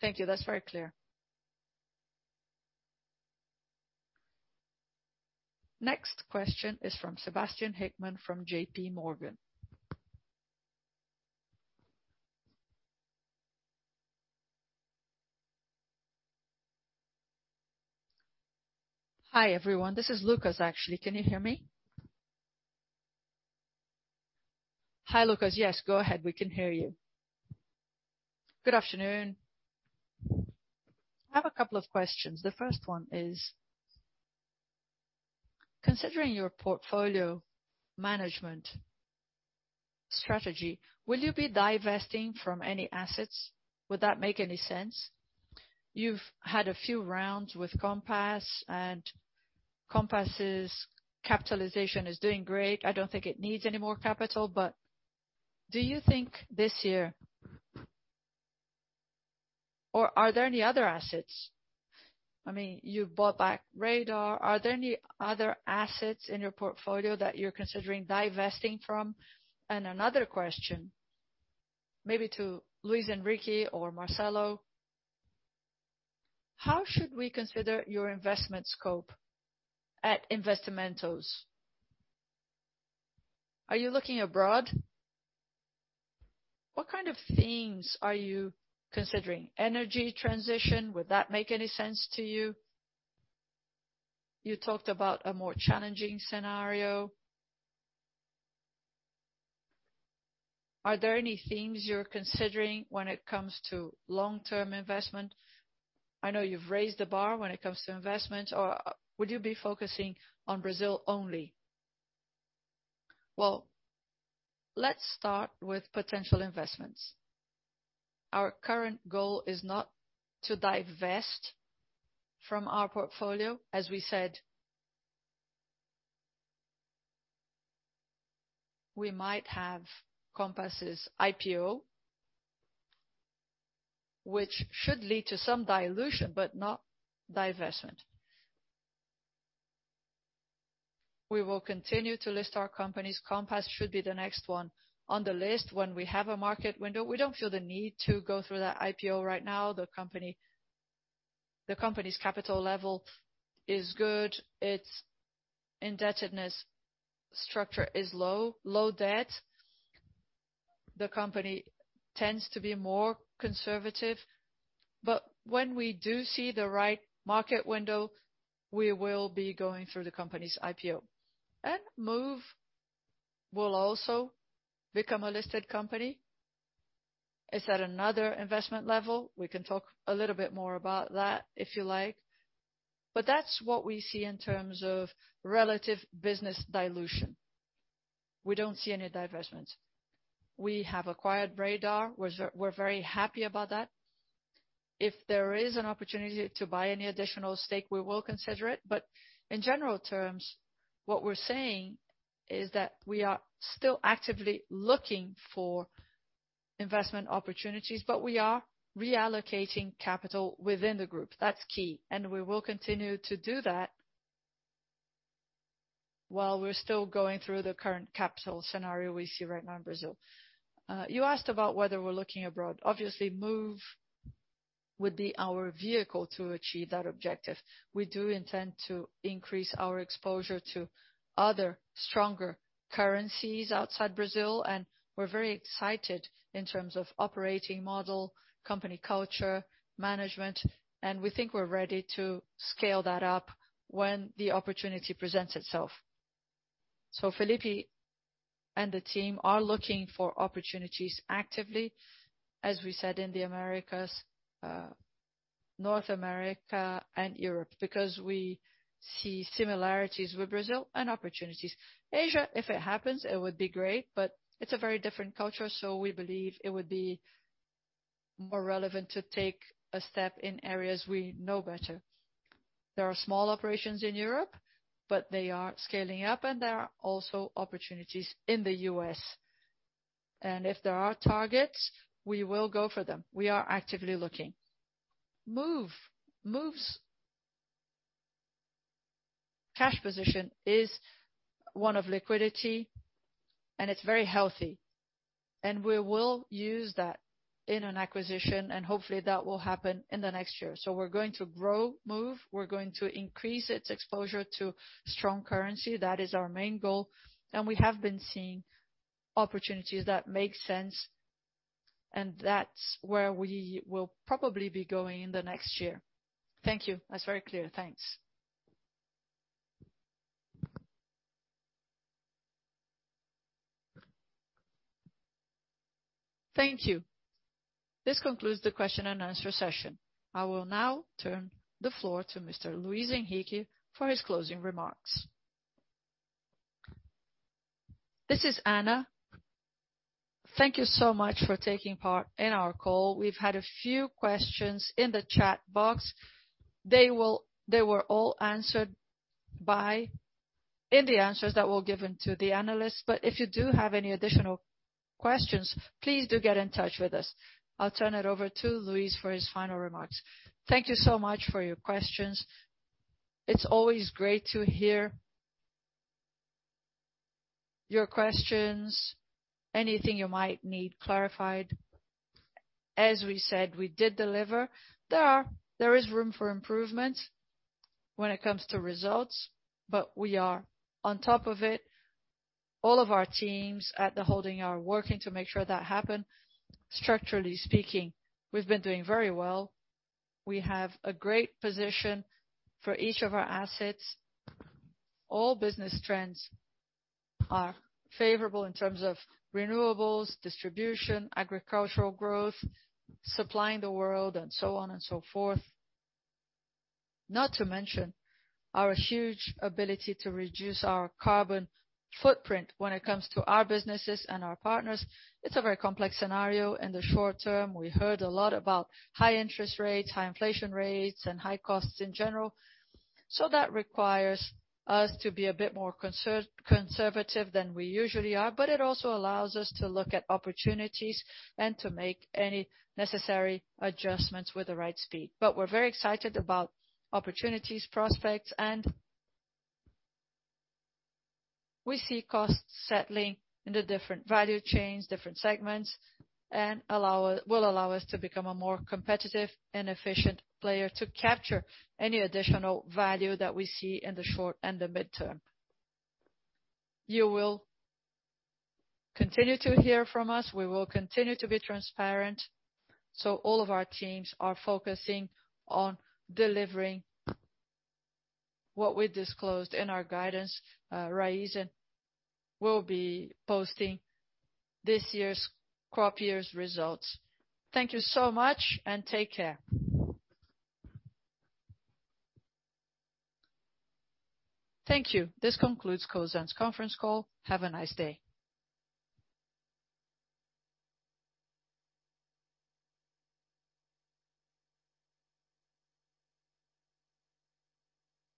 Thank you. That's very clear. Next question is from Sebastian Hickman from JPMorgan. Hi, everyone. This is Lucas, actually. Can you hear me? Hi, Lucas. Yes, go ahead. We can hear you. Good afternoon. I have a couple of questions. The first one is, considering your portfolio management strategy, will you be divesting from any assets? Would that make any sense? You've had a few rounds with Compass, and Compass's capitalization is doing great. I don't think it needs any more capital. But do you think this year or are there any other assets? I mean, you bought back Radar. Are there any other assets in your portfolio that you're considering divesting from? Another question, maybe to Luis Henrique or Marcelo, how should we consider your investment scope at Investimentos? Are you looking abroad? What kind of themes are you considering? Energy transition, would that make any sense to you? You talked about a more challenging scenario. Are there any themes you're considering when it comes to long-term investment? I know you've raised the bar when it comes to investments, or would you be focusing on Brazil only? Well, let's start with potential investments. Our current goal is not to divest from our portfolio. As we said, we might have Compass's IPO, which should lead to some dilution, but not divestment. We will continue to list our companies. Compass should be the next one on the list when we have a market window. We don't feel the need to go through that IPO right now. The company's capital level is good. Its indebtedness structure is low debt. The company tends to be more conservative. When we do see the right market window, we will be going through the company's IPO. Moove will also become a listed company. It's at another investment level. We can talk a little bit more about that if you like. That's what we see in terms of relative business dilution. We don't see any divestments. We have acquired Radar. We're very happy about that. If there is an opportunity to buy any additional stake, we will consider it. In general terms, what we're saying is that we are still actively looking for investment opportunities, but we are reallocating capital within the group. That's key. We will continue to do that while we're still going through the current capital scenario we see right now in Brazil. You asked about whether we're looking abroad. Obviously, Moove would be our vehicle to achieve that objective. We do intend to increase our exposure to other stronger currencies outside Brazil, and we're very excited in terms of operating model, company culture, management, and we think we're ready to scale that up when the opportunity presents itself. Felipe and the team are looking for opportunities actively, as we said, in the Americas, North America and Europe, because we see similarities with Brazil and opportunities. Asia, if it happens, it would be great, but it's a very different culture, so we believe it would be more relevant to take a step in areas we know better. There are small operations in Europe, but they are scaling up, and there are also opportunities in the U.S. If there are targets, we will go for them. We are actively looking. Moove. Moove's cash position is one of liquidity, and it's very healthy. We will use that in an acquisition, and hopefully that will happen in the next year. We're going to grow Moove, we're going to increase its exposure to strong currency. That is our main goal. We have been seeing opportunities that make sense, and that's where we will probably be going in the next year. Thank you. That's very clear. Thanks. Thank you. This concludes the question and answer session. I will now turn the floor to Mr. Luis Henrique for his closing remarks. This is Ana. Thank you so much for taking part in our call. We've had a few questions in the chat box. They were all answered in the answers that were given to the analysts. But if you do have any additional questions, please do get in touch with us. I'll turn it over to Luis for his final remarks. Thank you so much for your questions. It's always great to hear your questions, anything you might need clarified. As we said, we did deliver. There is room for improvement when it comes to results, but we are on top of it. All of our teams at the holding are working to make sure that happen. Structurally speaking, we've been doing very well. We have a great position for each of our assets. All business trends are favorable in terms of renewables, distribution, agricultural growth, supplying the world, and so on and so forth. Not to mention our huge ability to reduce our carbon footprint when it comes to our businesses and our partners. It's a very complex scenario in the short term. We heard a lot about high interest rates, high inflation rates, and high costs in general. That requires us to be a bit more conservative than we usually are, but it also allows us to look at opportunities and to make any necessary adjustments with the right speed. We're very excited about opportunities, prospects, and we see costs settling in the different value chains, different segments, and will allow us to become a more competitive and efficient player to capture any additional value that we see in the short and the midterm. You will continue to hear from us. We will continue to be transparent, so all of our teams are focusing on delivering what we disclosed in our guidance. Raízen will be posting this year's crop year results. Thank you so much, and take care. Thank you. This concludes Cosan's conference call. Have a nice day.